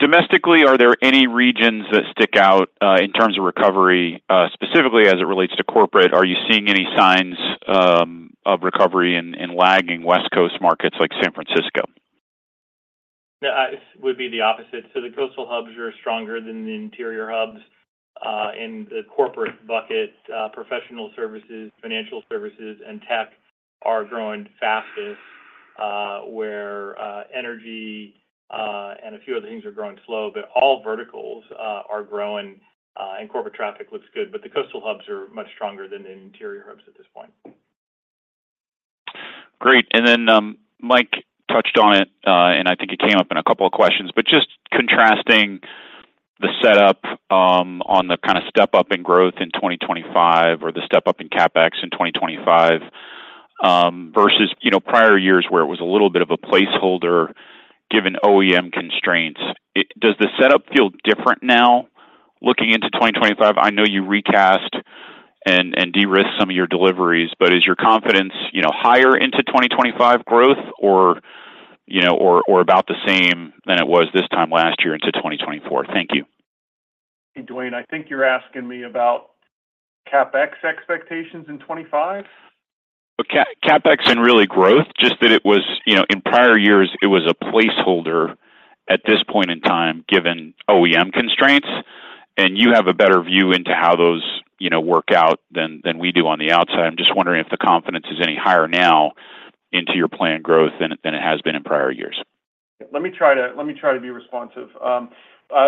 Domestically, are there any regions that stick out in terms of recovery, specifically as it relates to corporate? Are you seeing any signs of recovery in lagging West Coast markets like San Francisco? No, it would be the opposite, so the coastal hubs are stronger than the interior hubs. In the corporate bucket, professional services, financial services, and tech are growing fastest, where energy and a few other things are growing slow, but all verticals are growing, and corporate traffic looks good, but the coastal hubs are much stronger than the interior hubs at this point. Great. And then, Mike touched on it, and I think it came up in a couple of questions, but just contrasting the setup, on the kind of step-up in growth in 2025 or the step-up in CapEx in 2025, versus, you know, prior years where it was a little bit of a placeholder given OEM constraints. Does the setup feel different now looking into 2025? I know you recast and, and de-risked some of your deliveries, but is your confidence, you know, higher into 2025 growth or, you know, or, or about the same than it was this time last year into 2024? Thank you. Hey, Duane, I think you're asking me about CapEx expectations in 2025? CapEx and really growth, just that it was... You know, in prior years, it was a placeholder at this point in time, given OEM constraints, and you have a better view into how those, you know, work out than we do on the outside. I'm just wondering if the confidence is any higher now into your planned growth than it has been in prior years. Let me try to be responsive.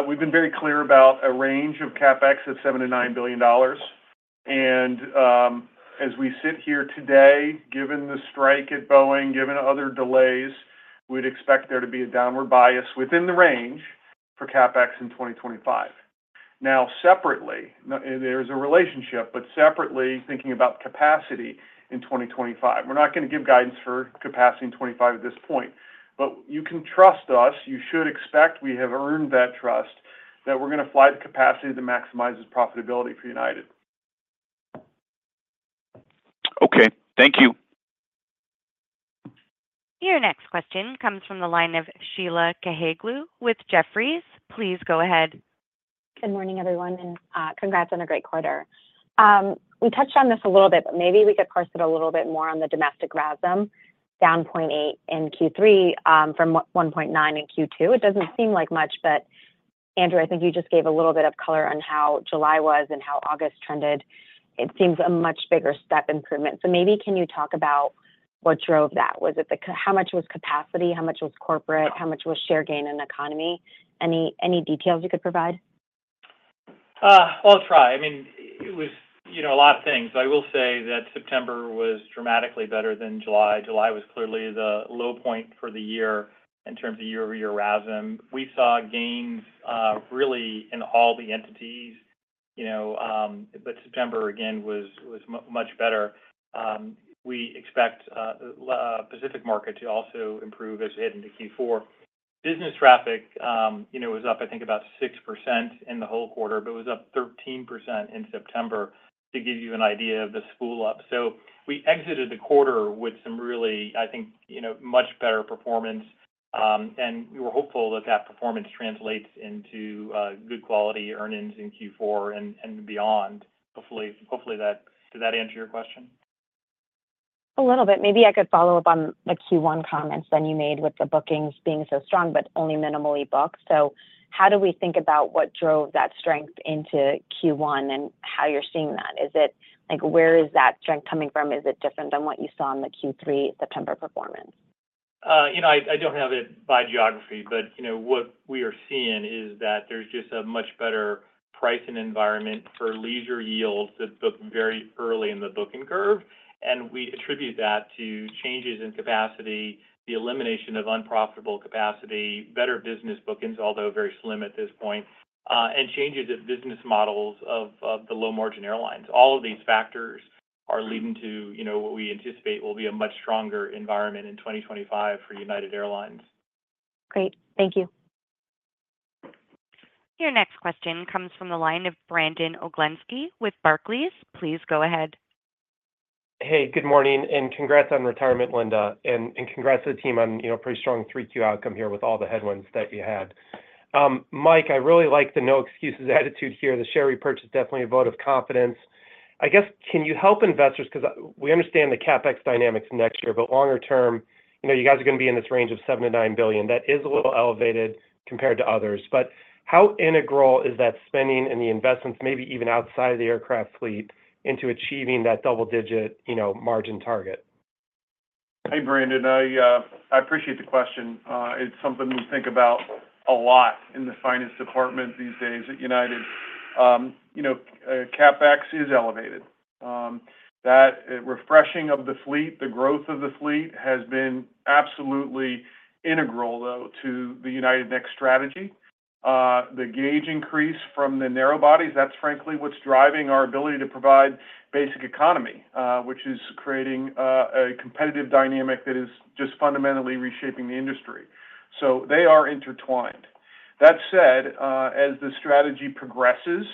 We've been very clear about a range of CapEx of $7 billion-$9 billion, and as we sit here today, given the strike at Boeing, given other delays, we'd expect there to be a downward bias within the range for CapEx in 2025. Now, separately, there's a relationship, but separately, thinking about capacity in 2025. We're not going to give guidance for capacity in 2025 at this point, but you can trust us, you should expect, we have earned that trust, that we're going to fly the capacity that maximizes profitability for United. Okay. Thank you. Your next question comes from the line of Sheila Kahyaoglu with Jefferies. Please go ahead. Good morning, everyone, and congrats on a great quarter. We touched on this a little bit, but maybe we could parse it a little bit more on the domestic RASM, -0.8 in Q3 from 1.9 in Q2. It doesn't seem like much, but Andrew, I think you just gave a little bit of color on how July was and how August trended. It seems a much bigger step improvement. So maybe can you talk about what drove that? How much was capacity? How much was corporate? How much was share gain and economy? Any details you could provide? Well, I'll try. I mean, it was, you know, a lot of things. I will say that September was dramatically better than July. July was clearly the low point for the year in terms of year-over-year RASM. We saw gains, really in all the entities, you know, but September, again, was much better. We expect Pacific market to also improve as we head into Q4. Business traffic, you know, was up, I think, about six percent in the whole quarter, but it was up 13% in September to give you an idea of the spool up. So we exited the quarter with some really, I think, you know, much better performance, and we were hopeful that that performance translates into good quality earnings in Q4 and beyond. Hopefully, that-- Did that answer your question? A little bit. Maybe I could follow up on the Q1 comments that you made with the bookings being so strong, but only minimally booked. So how do we think about what drove that strength into Q1 and how you're seeing that? Is it, like, where is that strength coming from? Is it different than what you saw in the Q3 September performance?... you know, I don't have it by geography, but, you know, what we are seeing is that there's just a much better pricing environment for leisure yields that book very early in the booking curve, and we attribute that to changes in capacity, the elimination of unprofitable capacity, better business bookings, although very slim at this point, and changes of business models of the low-margin airlines. All of these factors are leading to, you know, what we anticipate will be a much stronger environment in 2025 for United Airlines. Great. Thank you. Your next question comes from the line of Brandon Oglenski with Barclays. Please go ahead. Hey, good morning, and congrats on retirement, Linda, and congrats to the team on, you know, a pretty strong Q3 outcome here with all the headwinds that you had. Mike, I really like the no-excuses attitude here. The share repurchase, definitely a vote of confidence. I guess, can you help investors? 'Cause we understand the CapEx dynamics next year, but longer term, you know, you guys are gonna be in this range of $7 billion-$9 billion. That is a little elevated compared to others. But how integral is that spending and the investments, maybe even outside of the aircraft fleet, into achieving that double-digit, you know, margin target? Hey, Brandon, I appreciate the question. It's something we think about a lot in the finance department these days at United. You know, CapEx is elevated. Refreshing of the fleet, the growth of the fleet has been absolutely integral, though, to the United Next strategy. The gauge increase from the narrow bodies, that's frankly what's driving our ability to provide basic economy, which is creating, a competitive dynamic that is just fundamentally reshaping the industry. So they are intertwined. That said, as the strategy progresses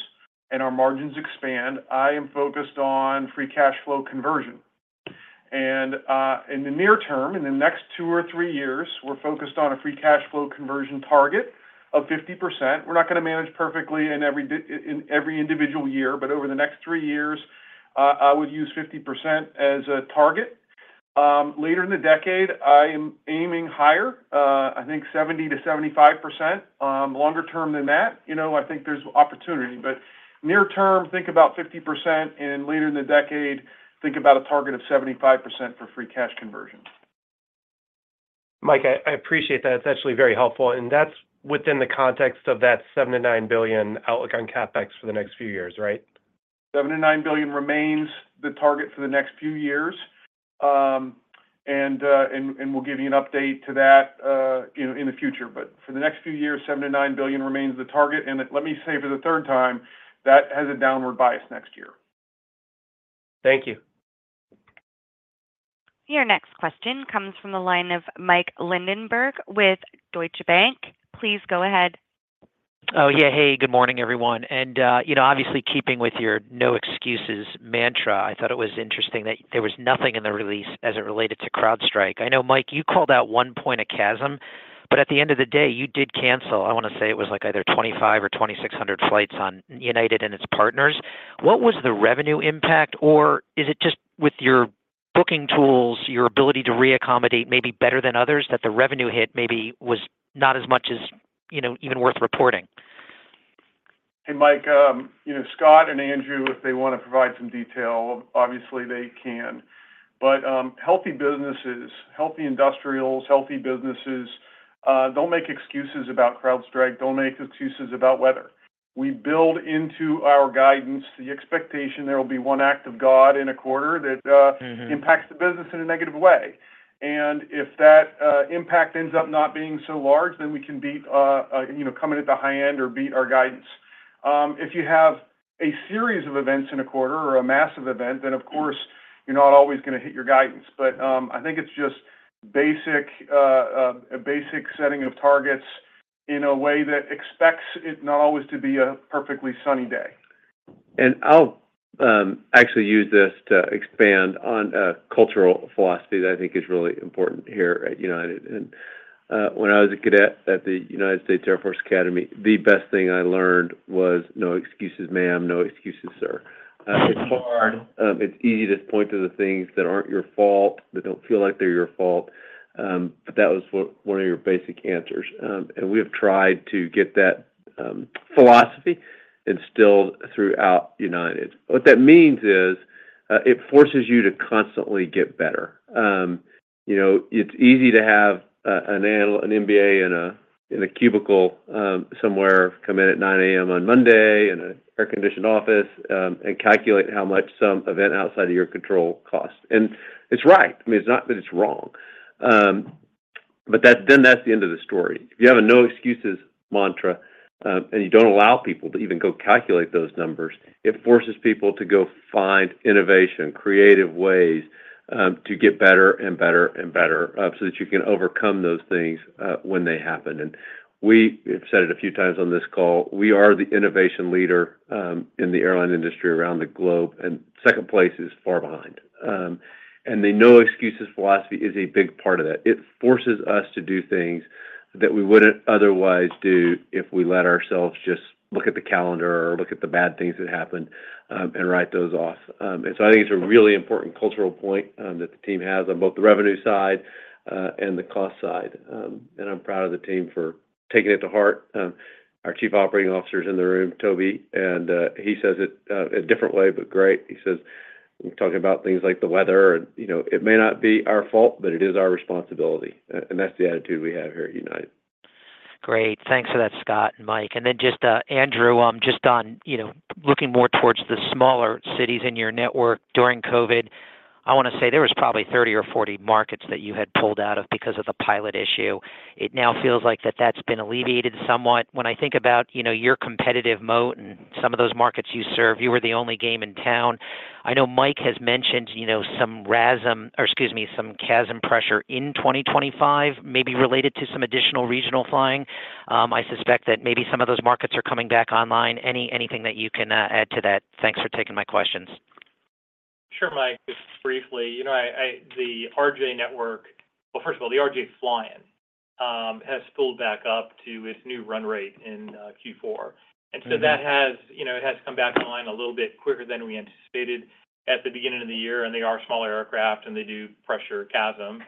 and our margins expand, I am focused on free cash flow conversion, and in the near term, in the next two or three years, we're focused on a free cash flow conversion target of 50%. We're not gonna manage perfectly in every individual year, but over the next three years, I would use 50% as a target. Later in the decade, I am aiming higher, I think 70%-75%. Longer term than that, you know, I think there's opportunity. Near term, think about 50%, and later in the decade, think about a target of 75% for free cash conversion. Mike, I appreciate that. It's actually very helpful, and that's within the context of that $7 billion-$9 billion outlook on CapEx for the next few years, right? $7 billion-$9 billion remains the target for the next few years. We'll give you an update to that, you know, in the future. But for the next few years, $7 billion-$9 billion remains the target, and let me say for the third time, that has a downward bias next year. Thank you. Your next question comes from the line of Mike Linenberg with Deutsche Bank. Please go ahead. Oh, yeah. Hey, good morning, everyone. And, you know, obviously, keeping with your no-excuses mantra, I thought it was interesting that there was nothing in the release as it related to CrowdStrike. I know, Mike, you called out one point CASM, but at the end of the day, you did cancel, I want to say it was like either 2025 or 2026 100 flights on United and its partners. What was the revenue impact, or is it just with your booking tools, your ability to re-accommodate maybe better than others, that the revenue hit maybe was not as much as, you know, even worth reporting? Hey, Mike. You know, Scott and Andrew, if they want to provide some detail, obviously they can. But, healthy businesses, healthy industrials, healthy businesses, don't make excuses about CrowdStrike, don't make excuses about weather. We build into our guidance the expectation there will be one act of God in a quarter that - Mm-hmm... impacts the business in a negative way. And if that impact ends up not being so large, then we can beat, you know, come in at the high end or beat our guidance. If you have a series of events in a quarter or a massive event, then, of course, you're not always gonna hit your guidance. But, I think it's just basic, a basic setting of targets in a way that expects it not always to be a perfectly sunny day. I'll actually use this to expand on a cultural philosophy that I think is really important here at United. When I was a cadet at the United States Air Force Academy, the best thing I learned was, "No excuses, ma'am. No excuses, sir. Mm-hmm. It's hard. It's easy to point to the things that aren't your fault, that don't feel like they're your fault, but that was one of your basic answers. We have tried to get that philosophy instilled throughout United. What that means is, it forces you to constantly get better. You know, it's easy to have an MBA in a cubicle somewhere, come in at 9:00 A.M. on Monday in an air-conditioned office, and calculate how much some event outside of your control costs. It's right. I mean, it's not that it's wrong, but then that's the end of the story. If you have a no-excuses mantra, and you don't allow people to even go calculate those numbers, it forces people to go find innovation, creative ways, to get better and better and better, so that you can overcome those things, when they happen, and we have said it a few times on this call, we are the innovation leader in the airline industry around the globe, and second place is far behind, and the no-excuses philosophy is a big part of that. It forces us to do things that we wouldn't otherwise do if we let ourselves just look at the calendar or look at the bad things that happened, and write those off, and so I think it's a really important cultural point that the team has on both the revenue side, and the cost side. And I'm proud of the team for taking it to heart. Our Chief Operating Officer is in the room, Toby, and he says it a different way, but great. He says- ... We're talking about things like the weather, and, you know, it may not be our fault, but it is our responsibility, and that's the attitude we have here at United. Great. Thanks for that, Scott and Mike. And then just, Andrew, just on, you know, looking more towards the smaller cities in your network during COVID, I wanna say there was probably 30 or 40 markets that you had pulled out of because of the pilot issue. It now feels like that that's been alleviated somewhat. When I think about, you know, your competitive moat and some of those markets you serve, you were the only game in town. I know Mike has mentioned, you know, some RASM, or excuse me, some CASM pressure in 2025, maybe related to some additional regional flying. I suspect that maybe some of those markets are coming back online. Anything that you can add to that? Thanks for taking my questions. Sure, Mike. Just briefly, you know, the RJ network. Well, first of all, the RJ flying has pulled back up to its new run rate in Q4. Mm-hmm. And so that has, you know, it has come back online a little bit quicker than we anticipated at the beginning of the year, and they are smaller aircraft, and they do pressure CASM.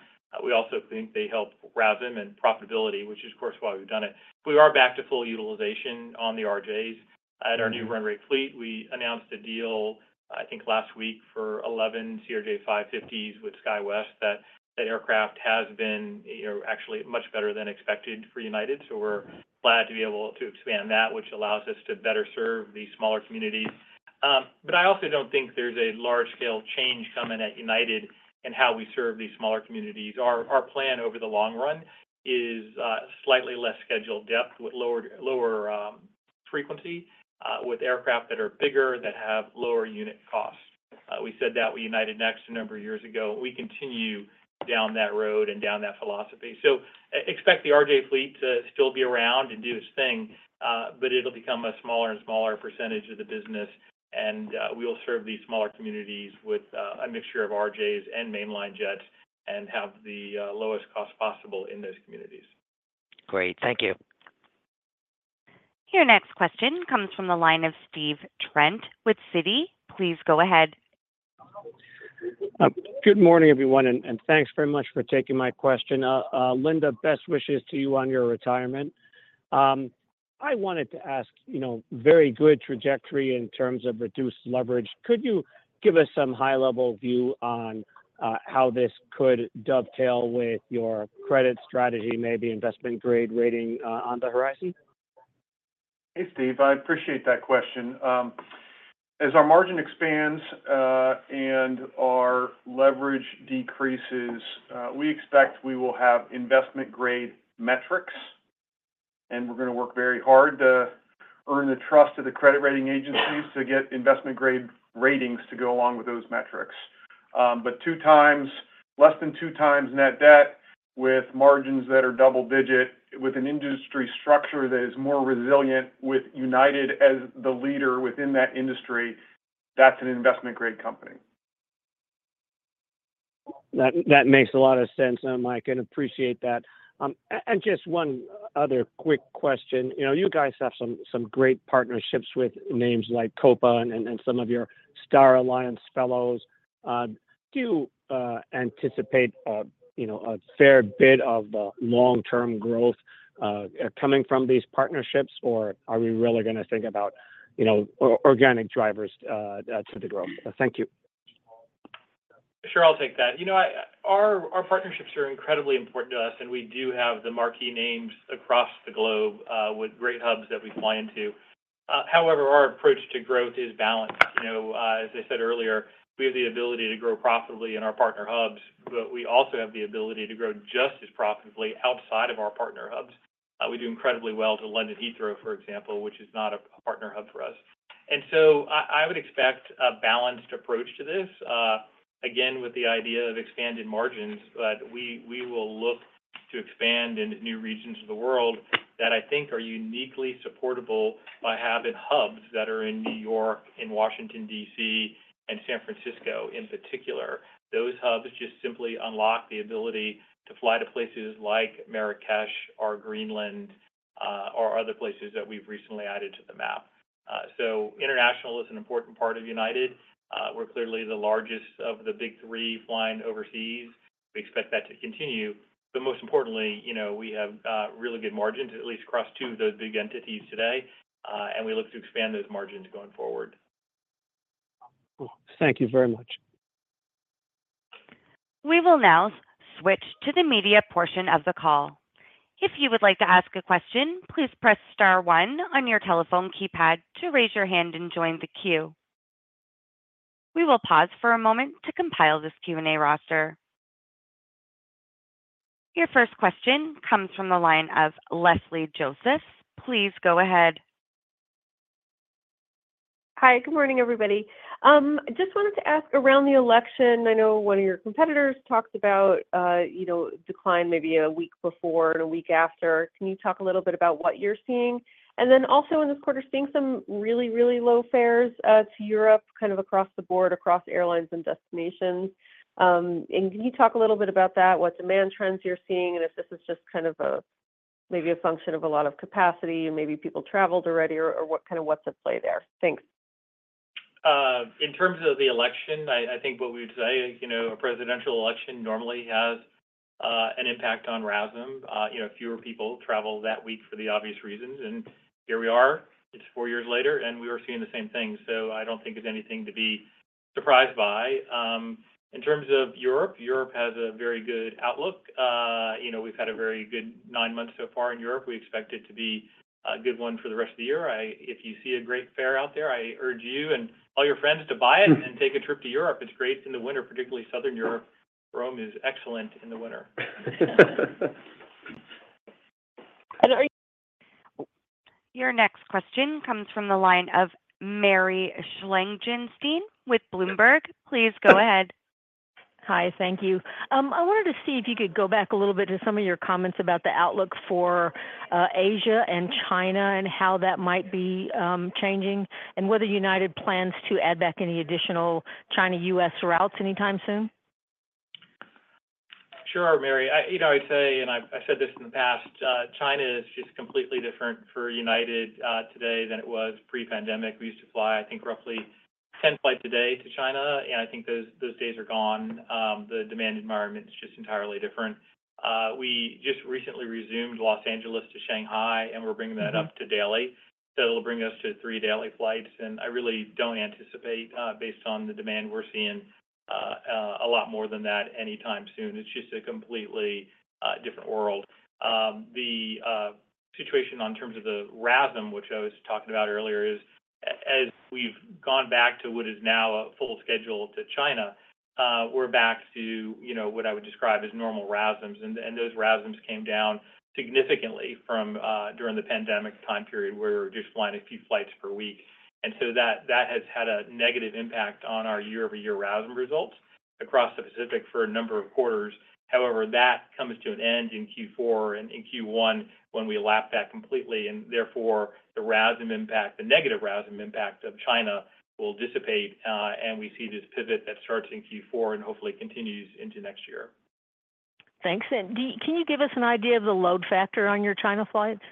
We also think they help RASM and profitability, which is, of course, why we've done it. We are back to full utilization on the RJs- Mm-hmm... at our new run rate fleet. We announced a deal, I think last week, for 11 CRJ-550 with SkyWest. That aircraft has been, you know, actually much better than expected for United, so we're glad to be able to expand that, which allows us to better serve these smaller communities. But I also don't think there's a large-scale change coming at United in how we serve these smaller communities. Our plan over the long run is slightly less scheduled depth with lower frequency with aircraft that are bigger, that have lower unit costs. We said that with United Next a number of years ago. We continue down that road and down that philosophy. So expect the RJ fleet to still be around and do its thing, but it'll become a smaller and smaller percentage of the business, and we will serve these smaller communities with a mixture of RJs and mainline jets and have the lowest cost possible in those communities. Great. Thank you. Your next question comes from the line of Stephen Trent with Citi. Please go ahead. Good morning, everyone, and thanks very much for taking my question. Linda, best wishes to you on your retirement. I wanted to ask, you know, very good trajectory in terms of reduced leverage. Could you give us some high-level view on how this could dovetail with your credit strategy, maybe investment-grade rating on the horizon? Hey, Steve. I appreciate that question. As our margin expands, and our leverage decreases, we expect we will have investment-grade metrics, and we're gonna work very hard to earn the trust of the credit rating agencies to get investment-grade ratings to go along with those metrics. But two times less than two times net debt with margins that are double digit, with an industry structure that is more resilient, with United as the leader within that industry, that's an investment-grade company. That makes a lot of sense, Mike, and appreciate that. And just one other quick question. You know, you guys have some great partnerships with names like Copa and some of your Star Alliance fellows. Do you anticipate, you know, a fair bit of long-term growth coming from these partnerships, or are we really gonna think about, you know, organic drivers to the growth? Thank you. Sure, I'll take that. You know, our partnerships are incredibly important to us, and we do have the marquee names across the globe with great hubs that we fly into. However, our approach to growth is balanced. You know, as I said earlier, we have the ability to grow profitably in our partner hubs, but we also have the ability to grow just as profitably outside of our partner hubs. We do incredibly well to London Heathrow, for example, which is not a partner hub for us. And so I would expect a balanced approach to this, again, with the idea of expanded margins, but we will look to expand into new regions of the world that I think are uniquely supportable by having hubs that are in New York, in Washington, DC, and San Francisco in particular. Those hubs just simply unlock the ability to fly to places like Marrakech or Greenland, or other places that we've recently added to the map. So international is an important part of United. We're clearly the largest of the big three flying overseas. We expect that to continue, but most importantly, you know, we have really good margins, at least across two of those big entities today, and we look to expand those margins going forward. Cool. Thank you very much. We will now switch to the media portion of the call. If you would like to ask a question, please press star one on your telephone keypad to raise your hand and join the queue. We will pause for a moment to compile this Q&A roster. Your first question comes from the line of Leslie Josephs. Please go ahead. Hi, good morning, everybody. Just wanted to ask around the election. I know one of your competitors talked about, you know, decline maybe a week before and a week after. Can you talk a little bit about what you're seeing? And then also in this quarter, seeing some really, really low fares to Europe, kind of across the board, across airlines and destinations. And can you talk a little bit about that, what demand trends you're seeing, and if this is just kind of a, maybe a function of a lot of capacity, and maybe people traveled already, or what's at play there? Thanks. In terms of the election, I think what we would say, you know, a presidential election normally has an impact on RASM. You know, fewer people traveled that week for the obvious reasons, and here we are. It's four years later, and we are seeing the same thing, so I don't think it's anything to be surprised by. In terms of Europe, Europe has a very good outlook. You know, we've had a very good nine months so far in Europe. We expect it to be a good one for the rest of the year. If you see a great fare out there, I urge you and all your friends to buy it and take a trip to Europe. It's great in the winter, particularly Southern Europe. Rome is excellent in the winter. Your next question comes from the line of Mary Schlangenstein with Bloomberg. Please go ahead. Hi, thank you. I wanted to see if you could go back a little bit to some of your comments about the outlook for Asia and China and how that might be changing, and whether United plans to add back any additional China-U.S. routes anytime soon. Sure, Mary. You know, I'd say, and I've said this in the past, China is just completely different for United today than it was pre-pandemic. We used to fly, I think, roughly ten flights a day to China, and I think those days are gone. The demand environment is just entirely different. We just recently resumed Los Angeles to Shanghai, and we're bringing that up to daily, so it'll bring us to three daily flights. And I really don't anticipate, based on the demand we're seeing, a lot more than that anytime soon. It's just a completely different world. The situation in terms of the RASM, which I was talking about earlier, is as we've gone back to what is now a full schedule to China, we're back to, you know, what I would describe as normal RASMs. And those RASMs came down significantly from during the pandemic time period. We were just flying a few flights per week, and so that has had a negative impact on our year-over-year RASM results across the Pacific for a number of quarters. However, that comes to an end in Q4 and in Q1 when we lap that completely, and therefore the RASM impact, the negative RASM impact of China will dissipate. And we see this pivot that starts in Q4 and hopefully continues into next year. Thanks. And can you give us an idea of the load factor on your China flights?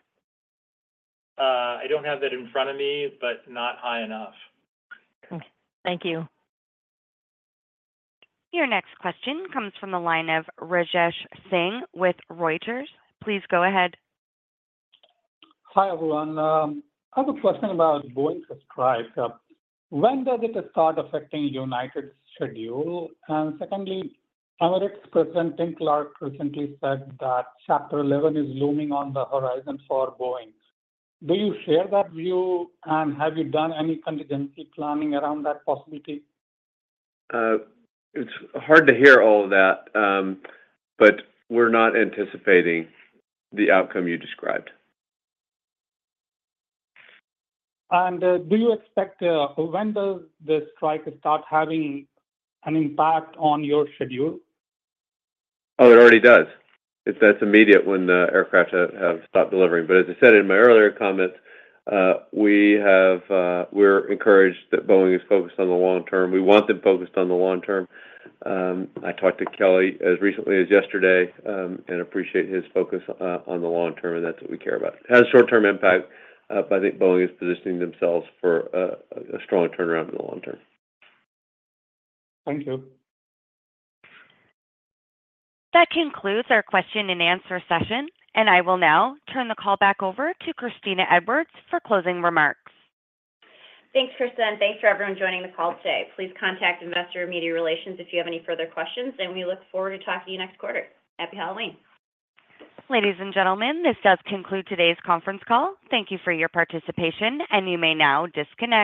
I don't have that in front of me, but not high enough. Okay. Thank you. Your next question comes from the line of Rajesh Singh with Reuters. Please go ahead. Hi, everyone. I have a question about Boeing's strike. When does it start affecting United's schedule? And secondly, Emirates' President, Tim Clark, recently said that Chapter 11 is looming on the horizon for Boeing. Do you share that view, and have you done any contingency planning around that possibility? It's hard to hear all of that, but we're not anticipating the outcome you described. And, do you expect... When does the strike start having an impact on your schedule? Oh, it already does. It's that immediate when the aircraft has stopped delivering. But as I said in my earlier comments, we have... We're encouraged that Boeing is focused on the long term. We want them focused on the long term. I talked to Kelly as recently as yesterday, and appreciate his focus on the long term, and that's what we care about. It has a short-term impact, but I think Boeing is positioning themselves for a strong turnaround in the long term. Thank you. That concludes our question and answer session, and I will now turn the call back over to Kristina Edwards for closing remarks. Thanks, Kristina. Thanks for everyone joining the call today. Please contact Investor or Media Relations if you have any further questions, and we look forward to talking to you next quarter. Happy Halloween. Ladies and gentlemen, this does conclude today's conference call. Thank you for your participation, and you may now disconnect.